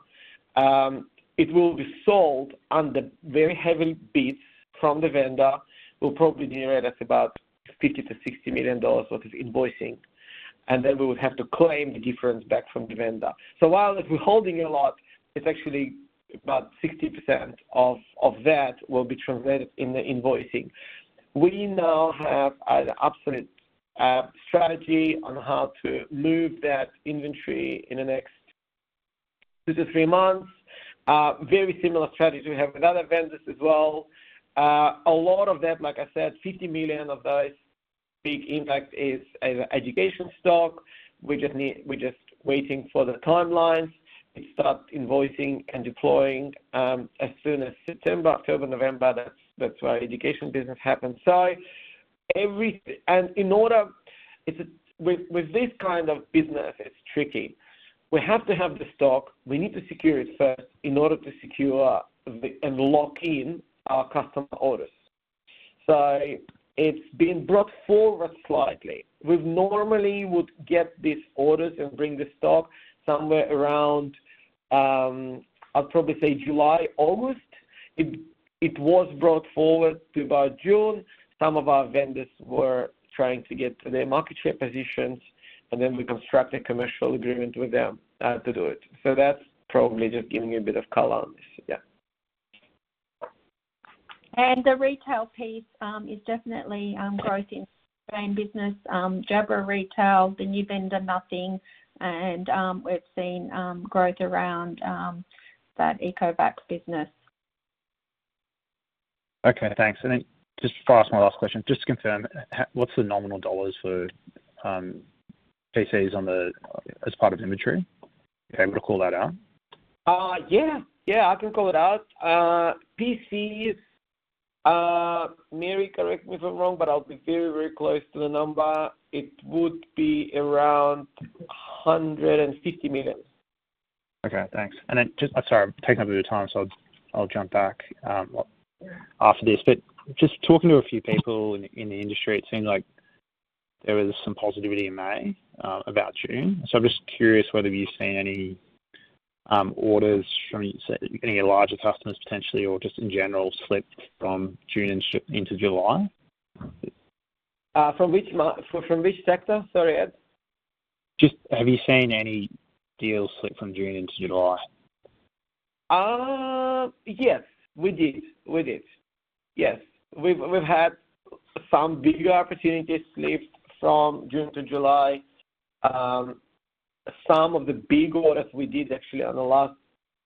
it will be sold under very heavy bids from the vendor, will probably generate us about 50 million-60 million dollars worth of invoicing, and then we would have to claim the difference back from the vendor. So while if we're holding a lot, it's actually about 60% of that will be translated in the invoicing. We now have an absolute strategy on how to move that inventory in the next 2-3 months. Very similar strategy we have with other vendors as well. A lot of that, like I said, 50 million of those. Big impact is education stock. We just need. We're just waiting for the timelines to start invoicing and deploying as soon as September, October, November. That's where education business happens. In order, it's with this kind of business, it's tricky. We have to have the stock. We need to secure it first in order to secure the and lock in our customer orders. So it's been brought forward slightly. We've normally would get these orders and bring the stock somewhere around, I'd probably say July, August. It was brought forward to about June. Some of our vendors were trying to get to their market share positions, and then we construct a commercial agreement with them, to do it, so that's probably just giving you a bit of color on this. Yeah. The retail piece is definitely growth in brand business, Jabra retail, the new vendor, Nothing, and we've seen growth around that Ecovacs business. Okay, thanks. And then just before I ask my last question, just to confirm, what's the nominal dollars for PC sales as part of inventory? Am I able to call that out? Yeah. Yeah, I can call it out. PCs, Mary, correct me if I'm wrong, but I'll be very, very close to the number. It would be around 150 million. Okay, thanks. And then just, I'm sorry, I'm taking up your time, so I'll jump back after this. But just talking to a few people in the industry, it seemed like there was some positivity in May about June. So I'm just curious whether you've seen any orders from any of larger customers, potentially, or just in general, slipped from June and shifted into July? From which sector? Sorry, Ed. Just have you seen any deals slip from June into July? Yes, we did. We did. Yes. We've had some bigger opportunities slipped from June to July. Some of the big orders we did actually on the last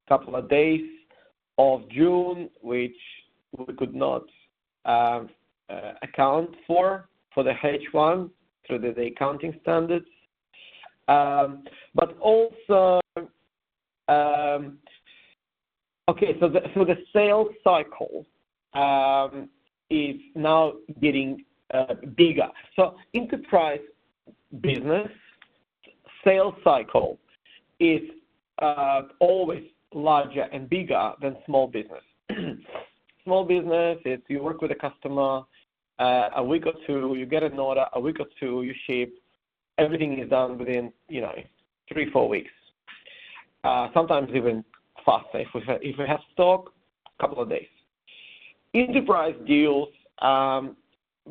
couple of days of June, which we could not account for the H1 through the accounting standards. But also. Okay, so the sales cycle is now getting bigger. So enterprise business sales cycle is always larger and bigger than small business. Small business, if you work with a customer, a week or two, you get an order, a week or two, you ship, everything is done within, you know, three, four weeks. Sometimes even faster. If we have stock, couple of days. Enterprise deals,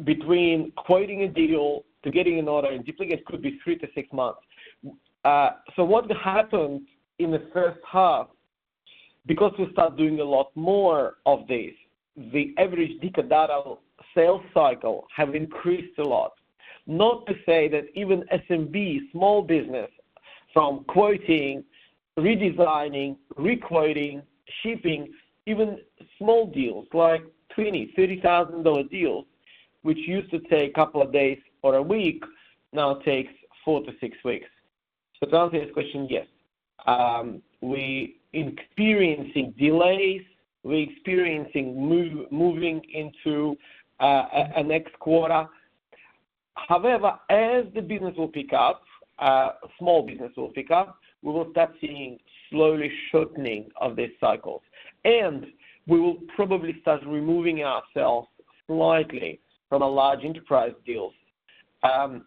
between quoting a deal to getting an order and delivering it, could be three to six months. So what happened in the first half, because we start doing a lot more of this, the average Dicker Data sales cycle have increased a lot. Not to say that even SMB, small business, from quoting, redesigning, re-quoting, shipping, even small deals, like 20,000 or 30,000 dollar deals, which used to take a couple of days or a week, now takes four to six weeks. So to answer your question, yes, we experiencing delays, we experiencing moving into a next quarter. However, as the business will pick up, small business will pick up, we will start seeing slowly shortening of these cycles. And we will probably start removing ourselves slightly from large enterprise deals,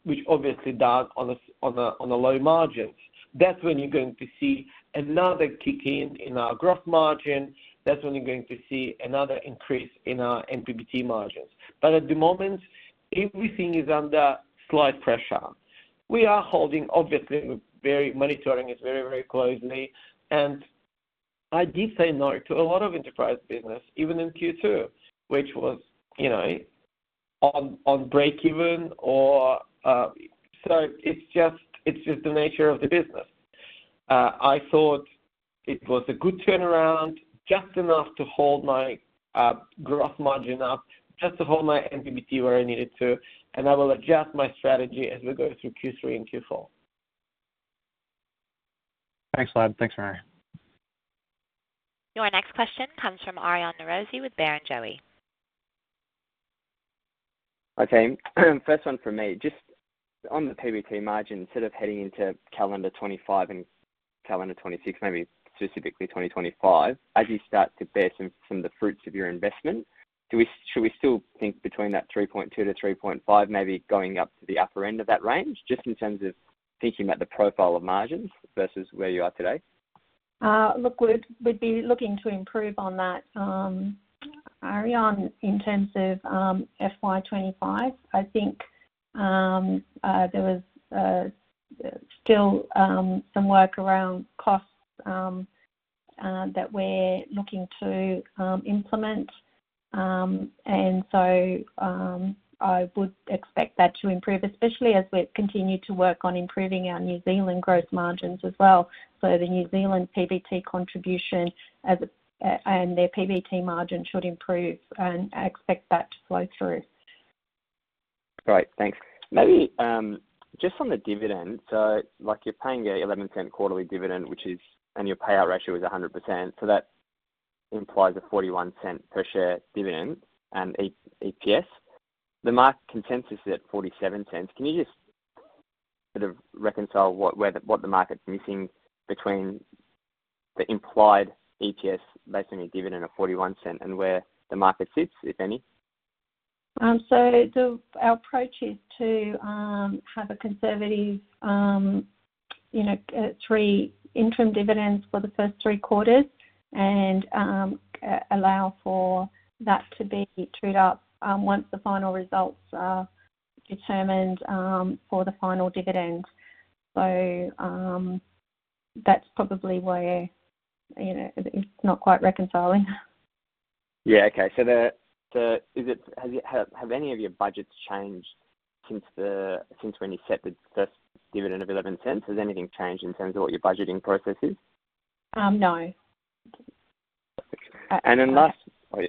which obviously done on low margins. That's when you're going to see another kick in our gross margin. That's when you're going to see another increase in our NPBT margins. But at the moment, everything is under slight pressure. We are holding, obviously, we're very monitoring it very, very closely, and I did say no to a lot of enterprise business, even in Q2, which was, you know, on break even or. So it's just, it's just the nature of the business. I thought it was a good turnaround, just enough to hold my growth margin up, just to hold my NPBT where I needed to, and I will adjust my strategy as we go through Q3 and Q4. Thanks a lot. Thanks, Mary. Your next question comes from Aryan Norozi with Barrenjoey. Okay, first one from me. Just on the PBT margin, instead of heading into calendar 2025 and calendar 2026, maybe specifically 2025, as you start to bear some of the fruits of your investment, should we still think between that 3.2 to 3.5, maybe going up to the upper end of that range, just in terms of thinking about the profile of margins versus where you are today? Look, we'd be looking to improve on that, Arian, in terms of FY 2025. I think there was still some work around costs that we're looking to implement. So I would expect that to improve, especially as we continue to work on improving our New Zealand growth margins as well. So the New Zealand PBT contribution as a, and their PBT margin should improve, and I expect that to flow through. Great. Thanks. Maybe, just on the dividend, so like you're paying an 0.11 quarterly dividend, which is, and your payout ratio is 100%, so that implies a 0.41 per share dividend and EPS. The market consensus is at 0.47. Can you just sort of reconcile what, where the, what the market's missing between the implied EPS, based on your dividend of 0.41, and where the market sits, if any? So our approach is to have a conservative, you know, three interim dividends for the first three quarters and allow for that to be trued up once the final results are determined for the final dividends. So that's probably where, you know, it's not quite reconciling. Yeah, okay. So, have any of your budgets changed since when you set the first dividend of 0.11? Has anything changed in terms of what your budgeting process is? Um, no. and then last. Oh, yeah,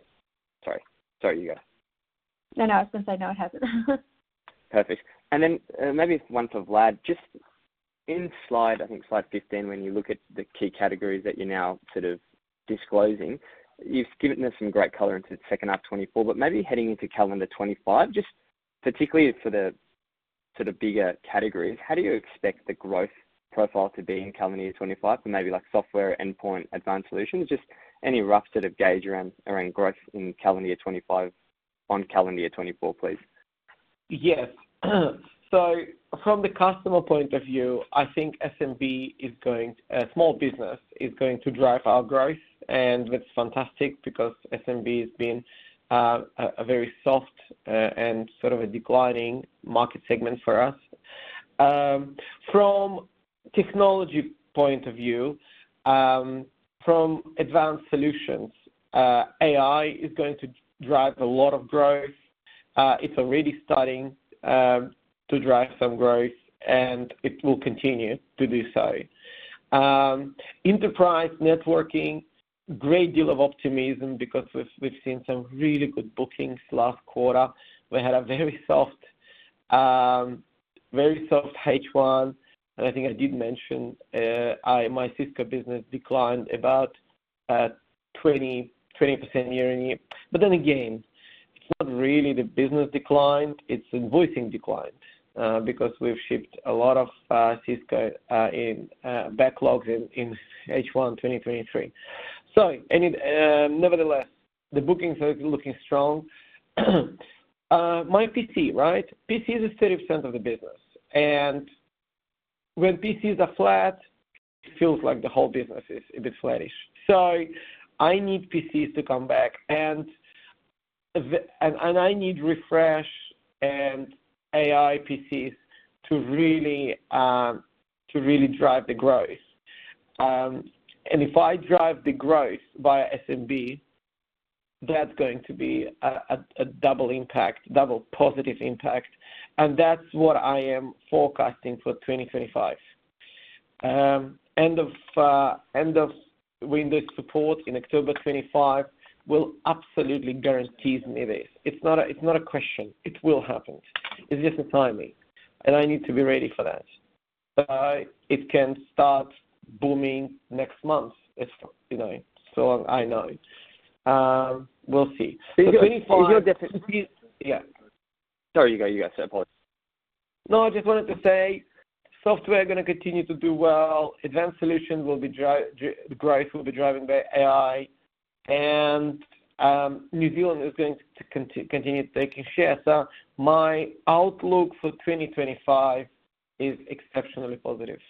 sorry. Sorry, you go. No, no, it's since I know it hasn't. Perfect. And then, maybe one for Vlad. Just in slide, I think slide 15, when you look at the key categories that you're now sort of disclosing, you've given us some great color into the second half 2024, but maybe heading into calendar 2025, just particularly for the bigger categories, how do you expect the growth profile to be in calendar year 2025? For maybe like software, endpoint, advanced solutions, just any rough sort of gauge around growth in calendar year 2025 on calendar year 2024, please. Yes. So from the customer point of view, I think SMB is going, small business is going to drive our growth, and that's fantastic because SMB has been a very soft and sort of a declining market segment for us. From technology point of view, from advanced solutions, AI is going to drive a lot of growth. It's already starting to drive some growth, and it will continue to do so. Enterprise networking, great deal of optimism because we've seen some really good bookings last quarter. We had a very soft H1, and I think I did mention. My Cisco business declined about twenty 20% year on year. But then again, it's not really the business declined, it's invoicing declined because we've shipped a lot of Cisco in backlogs in H1 2023, so nevertheless, the bookings are looking strong. My PC, right? PC is 30% of the business, and when PCs are flat, it feels like the whole business is a bit flattish, so I need PCs to come back, and I need refresh and AI PCs to really drive the growth, and if I drive the growth via SMB, that's going to be a double impact, double positive impact, and that's what I am forecasting for 2025. End of Windows support in October 2025 will absolutely guarantees me this. It's not a question. It will happen. It's just a timing, and I need to be ready for that. It can start booming next month, it's, you know, so I know. We'll see. Is your def- Yeah. Sorry, you go. You guys, I apologize. No, I just wanted to say, software are gonna continue to do well. Advanced solutions will be driven by AI, and New Zealand is going to continue taking share. So my outlook for 2025 is exceptionally positive.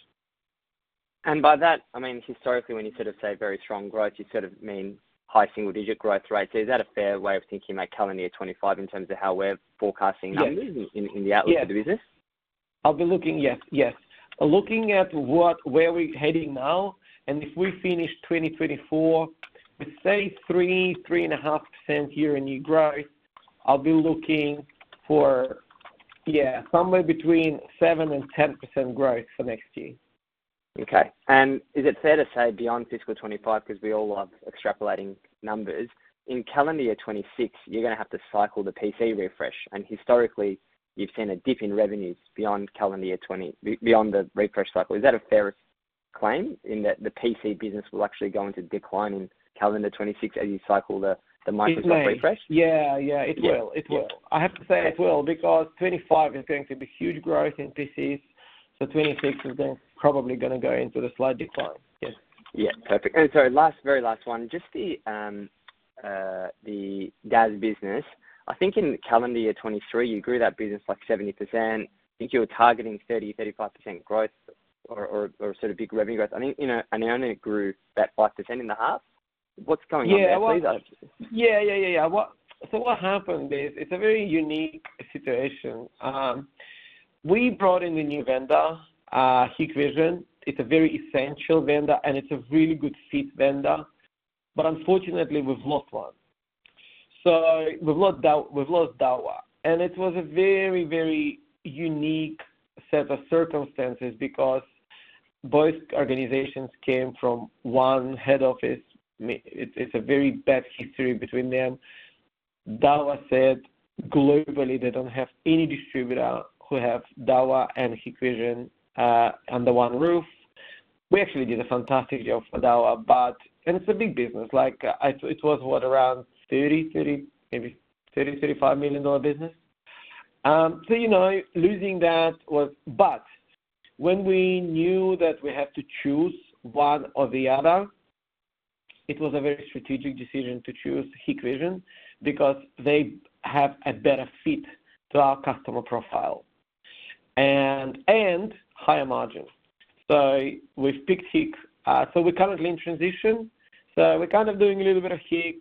And by that, I mean, historically, when you sort of say very strong growth, you sort of mean high single-digit growth rate. Is that a fair way of thinking about calendar year 2025 in terms of how we're forecasting? Yes Numbers in the outlook of the business? I'll be looking at what, where we're heading now, and if we finish 2024 with, say, 3-3.5% year-on-year growth, I'll be looking for, yeah, somewhere between seven and 10% growth for next year. Okay. And is it fair to say, beyond fiscal 2025, 'cause we all love extrapolating numbers, in calendar year 2026, you're gonna have to cycle the PC refresh, and historically, you've seen a dip in revenues beyond calendar year 2020, beyond the refresh cycle. Is that a fair claim, in that the PC business will actually go into decline in calendar 2026 as you cycle the Microsoft refresh? It may. Yeah, yeah, it will. Yeah. It will. I have to say it will, because 2025 is going to be huge growth in PCs, so 2026 is then probably gonna go into the slight decline. Yes. Yeah, perfect. And sorry, last, very last one: just the DaaS business. I think in calendar year 2023, you grew that business, like, 70%. I think you were targeting 30-35% growth or sort of big revenue growth. I think, you know, and it only grew about 5.5%. What's going on there? Yeah. Please. Yeah, yeah, yeah, yeah. So what happened is, it's a very unique situation. We brought in a new vendor, Hikvision. It's a very essential vendor, and it's a really good fit vendor, but unfortunately, we've lost one. So we've lost Dahua, and it was a very, very unique set of circumstances because both organizations came from one head office. It's a very bad history between them. Dahua said globally, they don't have any distributor who have Dahua and Hikvision under one roof. We actually did a fantastic job for Dahua, but... And it's a big business. Like, it was, what? Around 30, 30, maybe 30-35 million dollar business. So, you know, losing that was. But when we knew that we had to choose one or the other, it was a very strategic decision to choose Hikvision because they have a better fit to our customer profile, and higher margins. So we've picked Hik, so we're currently in transition. So we're kind of doing a little bit of Hik.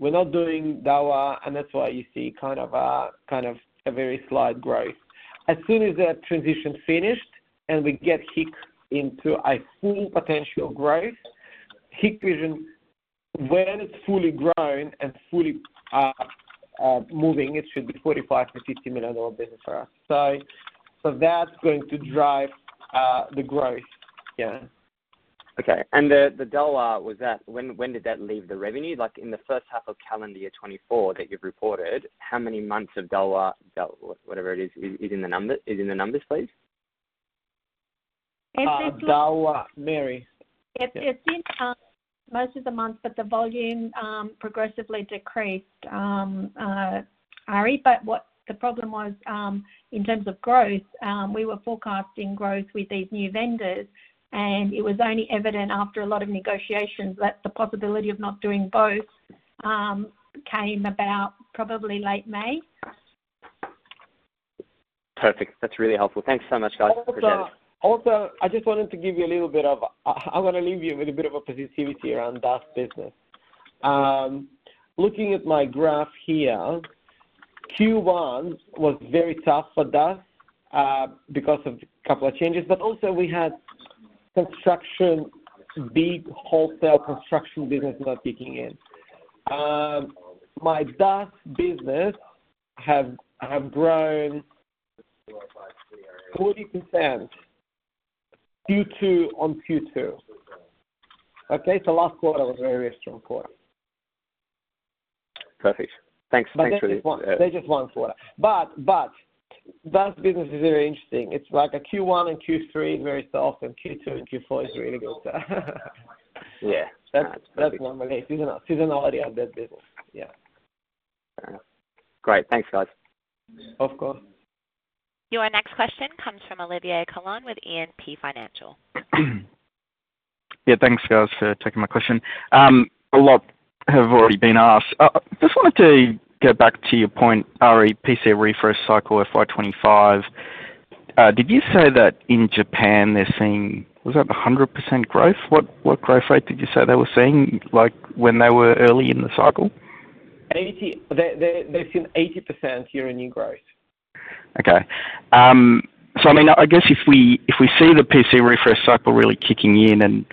We're not doing Dahua, and that's why you see kind of a very slight growth. As soon as that transition finished, and we get Hik into a full potential growth, Hikvision, when it's fully grown and fully moving, it should be a 45 million-50 million-dollar business for us. So that's going to drive the growth. Yeah. Okay. And the Dahua, was that - when did that leave the revenue? Like, in the first half of calendar year 2024 that you've reported, how many months of Dahua, do- whatever it is, is in the number, in the numbers, please? If it's- Dahua. Mary? It's been most of the months, but the volume progressively decreased, Ari, but what the problem was in terms of growth, we were forecasting growth with these new vendors, and it was only evident after a lot of negotiations that the possibility of not doing both came about probably late May. Perfect. That's really helpful. Thanks so much, guys, for doing this. Also, I just wanted to give you a little bit of I wanna leave you with a bit of a positivity around DaaS business. Looking at my graph here, Q1 was very tough for DaaS, because of a couple of changes, but also we had construction, big wholesale construction business not kicking in. My DaaS business have grown 40%, Q2 on Q2. Okay? So last quarter was a very strong quarter. Perfect. Thanks. Thanks for the, There's just one quarter. But DaaS business is very interesting. It's like a Q1 and Q3, very soft, and Q2 and Q4 is really good. Yeah. That's perfect. That's normally seasonality, seasonality of that business. Yeah. All right. Great. Thanks, guys. Of course. Your next question comes from Olivier Coulon with E&P Financial. Yeah, thanks, guys, for taking my question. A lot have already been asked. I just wanted to go back to your point, Ari, PC refresh cycle FY twenty-five. Did you say that in Japan, they're seeing... Was that 100% growth? What growth rate did you say they were seeing, like, when they were early in the cycle? 80%. They've seen 80% year-on-year growth. Okay. So I mean, I guess if we see the PC refresh cycle really kicking in and,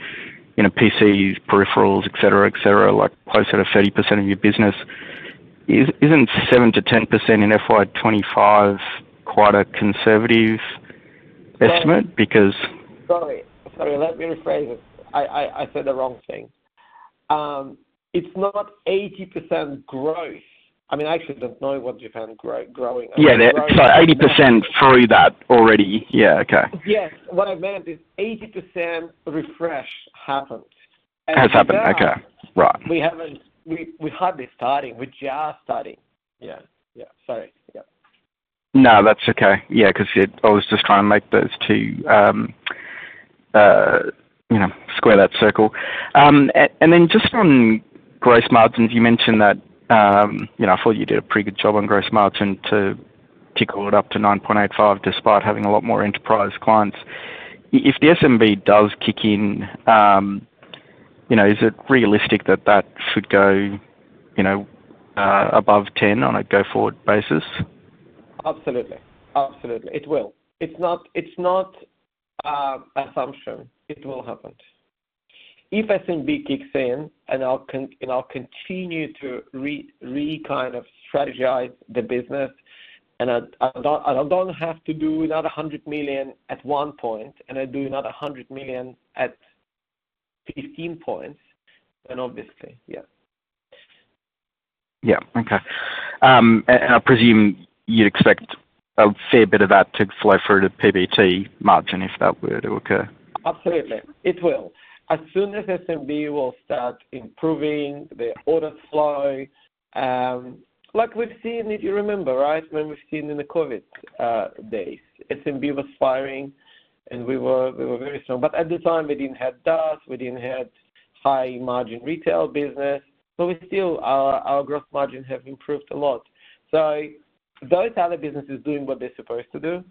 you know, PCs, peripherals, et cetera, et cetera, like, close to 30% of your business, isn't 7%-10% in FY 2025 quite a conservative estimate? Because- Sorry, let me rephrase it. I said the wrong thing. It's not 80% growth. I mean, I actually don't know what Japan growing. Yeah, they... So 80% through that already. Yeah, okay. Yes. What I meant is 80% refresh happened. Has happened. Okay. Right. We're hardly starting. We're just starting. Yeah. Yeah. Sorry. Yeah. No, that's okay. Yeah, 'cause I was just trying to make those two, you know, square that circle. And then just on gross margins, you mentioned that, you know, I thought you did a pretty good job on gross margin to tickle it up to 9.85, despite having a lot more enterprise clients. If the SMB does kick in, you know, is it realistic that that should go, you know, above 10 on a go-forward basis? Absolutely. Absolutely. It will. It's not assumption. It will happen. If SMB kicks in, and I'll continue to kind of strategize the business, and I don't have to do another 100 million at one point, and I do another 100 million at 15 points, then obviously, yeah. Yeah. Okay. And I presume you'd expect a fair bit of that to flow through to PBT margin if that were to occur? Absolutely. It will. As soon as SMB will start improving the order flow, like we've seen, if you remember, right? When we've seen in the COVID days, SMB was firing, and we were very strong. But at the time, we didn't have DaaS, we didn't have high-margin retail business, but we still, our growth margins have improved a lot. So those other businesses doing what they're supposed to do,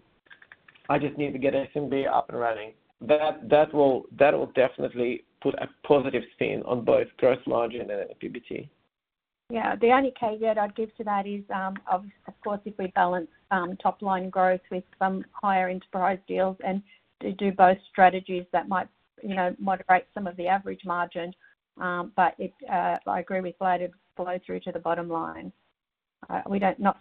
I just need to get SMB up and running. That will definitely put a positive spin on both gross margin and PBT. Yeah. The only caveat I'd give to that is, of course, if we balance top-line growth with some higher enterprise deals and do both strategies, that might, you know, moderate some of the average margin. But it, I agree with Vlad, it flow through to the bottom line. We're not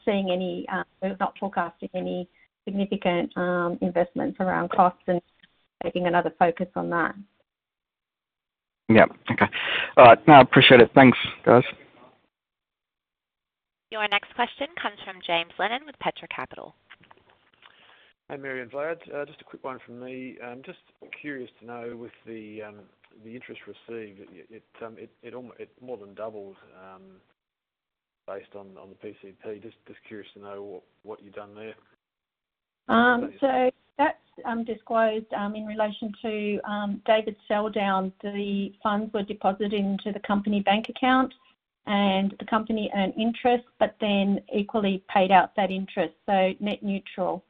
forecasting any significant investments around costs and taking another focus on that. Yeah. Okay. All right, no, I appreciate it. Thanks, guys. Your next question comes from James Lennon with Petra Capital. Hi, Mary and Vlad. Just a quick one from me. I'm just curious to know, with the interest received, it more than doubled, based on the PCP. Just curious to know what you've done there. So that's disclosed in relation to David's sell down. The funds were deposited into the company bank account, and the company earned interest, but then equally paid out that interest, so net neutral.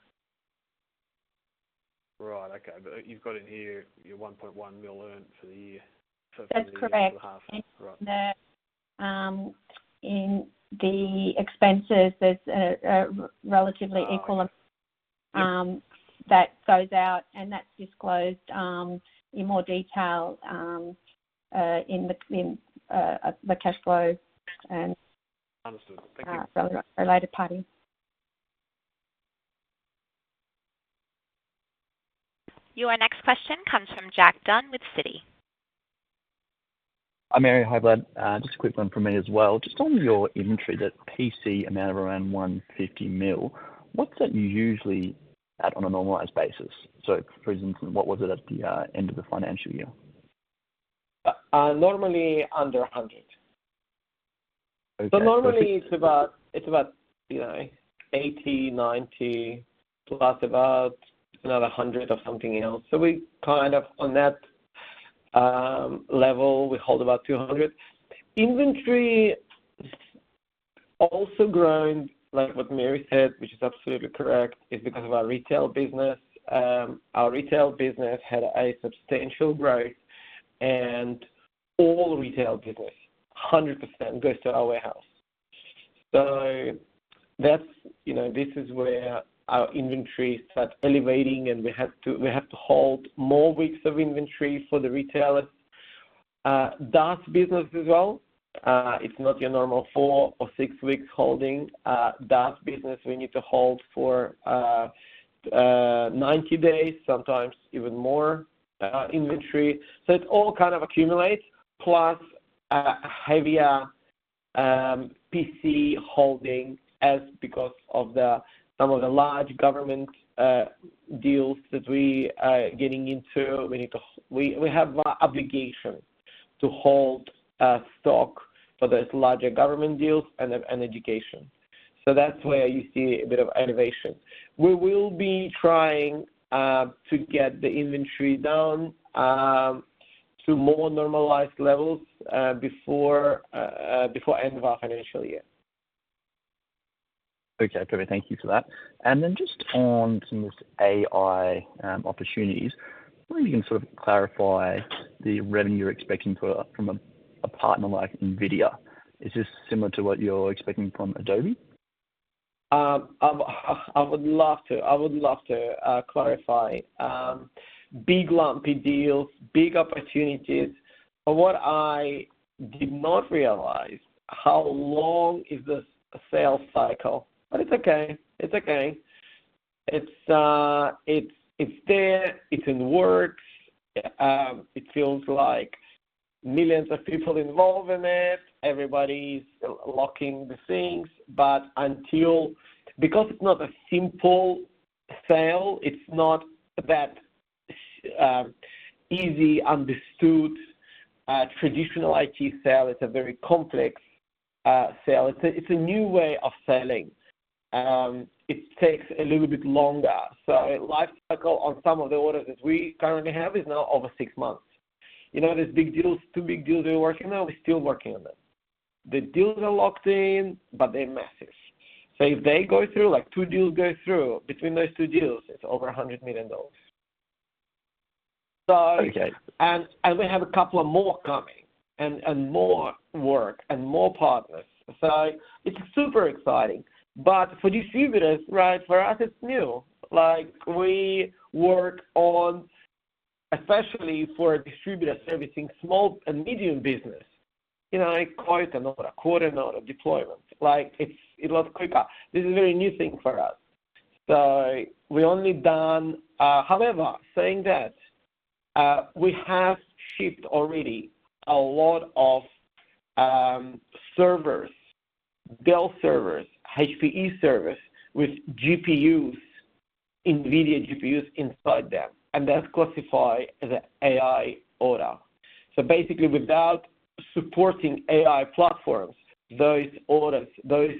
Right. Okay, but you've got in here your 1.1 million earned for the year. That's correct. Right. In the expenses, there's a relatively equal am-... that goes out and that's disclosed in more detail in the cash flow and- Understood. Thank you. related party. Your next question comes from Jack Dunn with Citi. Hi, Mary. Hi, Vlad. Just a quick one from me as well. Just on your inventory, that PC amount of around 150 million, what's that usually at on a normalized basis? So for instance, what was it at the end of the financial year? Normally under a hundred. Okay. So normally, it's about, you know, eighty, ninety, plus about another hundred of something else. So we kind of on that level, we hold about two hundred. Inventory also grown, like what Mary said, which is absolutely correct, is because of our retail business. Our retail business had a substantial growth, and all retail business, 100%, goes to our warehouse. So that's, you know, this is where our inventory starts elevating, and we have to hold more weeks of inventory for the retailers. DaaS business as well, it's not your normal four or six weeks holding. DaaS business, we need to hold for ninety days, sometimes even more, inventory. So it all kind of accumulates, plus a heavier PC holding because of some of the large government deals that we are getting into. We have an obligation to hold stock for those larger government deals and education. So that's where you see a bit of elevation. We will be trying to get the inventory down to more normalized levels before end of our financial year. Okay, perfect. Thank you for that. And then just on some of this AI opportunities, wonder if you can sort of clarify the revenue you're expecting from a partner like NVIDIA. Is this similar to what you're expecting from Adobe? I would love to clarify. Big lumpy deals, big opportunities, but what I did not realize how long is the sales cycle, but it's okay. It's okay. It's there, it's in the works. It feels like millions of people involved in it, everybody's locking the things, but until... Because it's not a simple sale, it's not that easy, understood traditional IT sale, it's a very complex sale. It's a new way of selling, it takes a little bit longer. So life cycle on some of the orders that we currently have is now over six months. You know, these big deals, two big deals we're working on, we're still working on them. The deals are locked in, but they're massive. So if they go through, like two deals go through, between those two deals, it's over 100 million dollars. So- Okay. And we have a couple of more coming, and more work and more partners. So it's super exciting. But for distributors, right, for us, it's new. Like, we work on, especially for a distributor servicing small and medium business, you know, like quarter note, a quarter note of deployment. Like, it's, it was quicker. This is a very new thing for us. So we only done. However, saying that, we have shipped already a lot of servers, Dell servers, HPE servers with GPUs, NVIDIA GPUs inside them, and that's classified as an AI order. So basically, without supporting AI platforms, those orders, those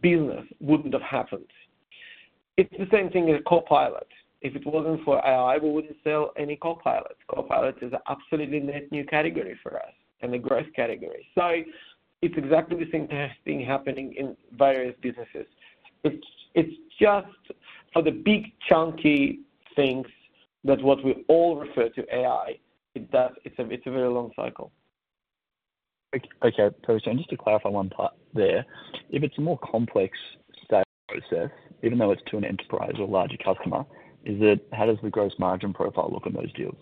business wouldn't have happened. It's the same thing as Copilot. If it wasn't for AI, we wouldn't sell any Copilot. Copilot is absolutely net new category for us and a growth category. So it's exactly the same thing happening in various businesses. It's just for the big, chunky things that we all refer to as AI. It's a very long cycle. Okay, perfect. So just to clarify one part there, if it's a more complex sales process, even though it's to an enterprise or a larger customer, how does the gross margin profile look on those deals?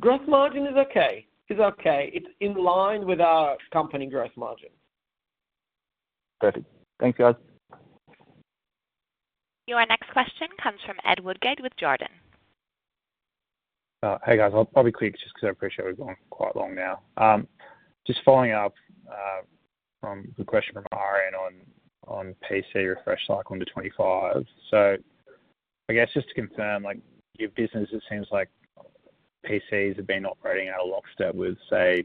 Gross margin is okay. It's okay. It's in line with our company gross margin. Perfect. Thank you, guys. Your next question comes from Ed Woodgate with Jarden. Hey, guys. I'll probably quick, just 'cause I appreciate we've gone quite long now. Just following up from the question from Ari on PC refresh cycle into twenty-five. So I guess just to confirm, like, your business, it seems like PCs have been operating at a lockstep with, say,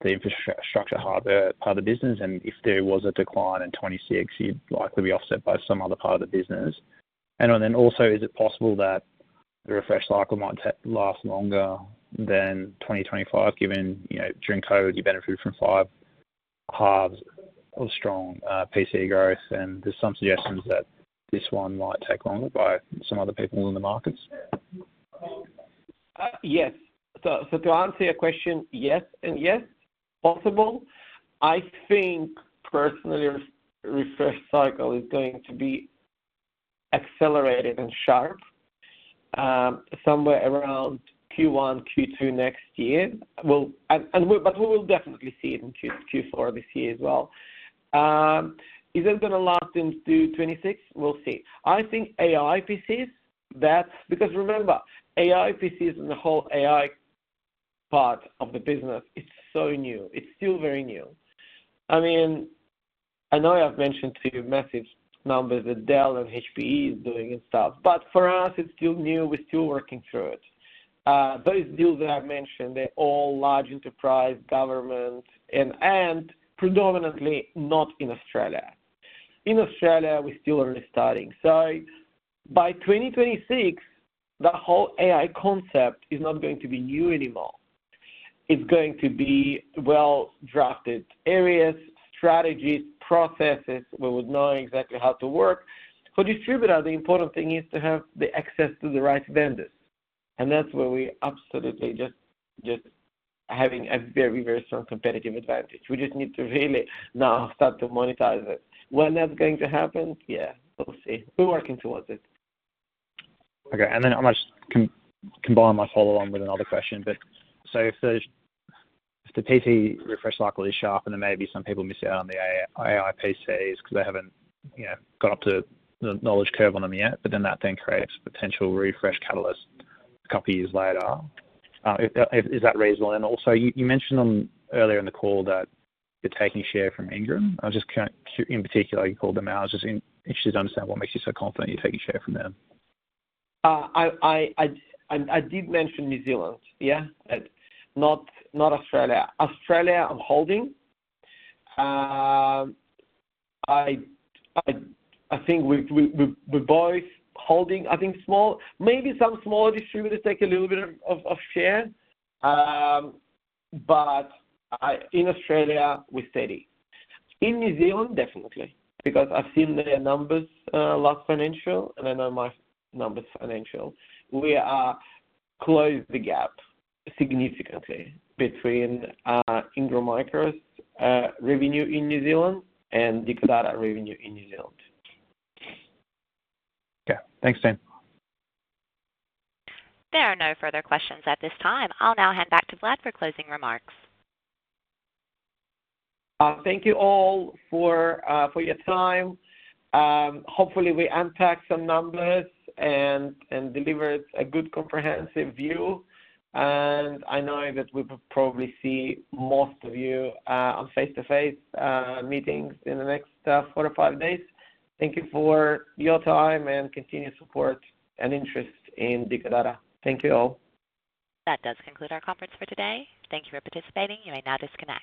the infrastructure hardware part of the business, and if there was a decline in twenty-six, you'd likely be offset by some other part of the business. And then also, is it possible that the refresh cycle might last longer than twenty twenty-five, given, you know, during COVID, you benefit from five halves of strong PC growth, and there's some suggestions that this one might take longer by some other people in the markets?... Yes. So, to answer your question, yes and yes, possible. I think personally, refresh cycle is going to be accelerated and sharp, somewhere around Q1, Q2 next year. Well, and we, but we will definitely see it in Q2, Q4 this year as well. Is it gonna last into 2026? We'll see. I think AI PCs, that. Because remember, AI PCs and the whole AI part of the business is so new. It's still very new. I mean, I know I've mentioned to you massive numbers that Dell and HPE is doing and stuff, but for us, it's still new. We're still working through it. Those deals that I've mentioned, they're all large enterprise, government, and predominantly not in Australia. In Australia, we're still only starting. So by 2026, the whole AI concept is not going to be new anymore. It's going to be well-drafted areas, strategies, processes. We would know exactly how to work. For distributor, the important thing is to have the access to the right vendors, and that's where we absolutely just, just having a very, very strong competitive advantage. We just need to really now start to monetize it. When that's going to happen? Yeah, we'll see. We're working towards it. Okay, and then I'm gonna combine my follow on with another question. But if the PC refresh cycle is sharp, and then maybe some people miss out on the AI PCs because they haven't, you know, got up to the knowledge curve on them yet, but then that creates a potential refresh catalyst a couple years later. Is that reasonable? And also, you mentioned earlier in the call that you're taking share from Ingram. In particular, you called them out. I was just interested to understand what makes you so confident you're taking share from them. I did mention New Zealand. Yeah, but not Australia. Australia, I'm holding. I think we're both holding, I think. Small, maybe some small distributors take a little bit of share. But in Australia, we're steady. In New Zealand, definitely, because I've seen their numbers last financial, and I know my numbers financial. We are closing the gap significantly between Ingram Micro's revenue in New Zealand and Dicker Data revenue in New Zealand. Yeah. Thanks, Dan. There are no further questions at this time. I'll now hand back to Vlad for closing remarks. Thank you all for your time. Hopefully, we unpacked some numbers and delivered a good comprehensive view. I know that we will probably see most of you on face-to-face meetings in the next four or five days. Thank you for your time and continued support and interest in Dicker Data. Thank you all. That does conclude our conference for today. Thank you for participating. You may now disconnect.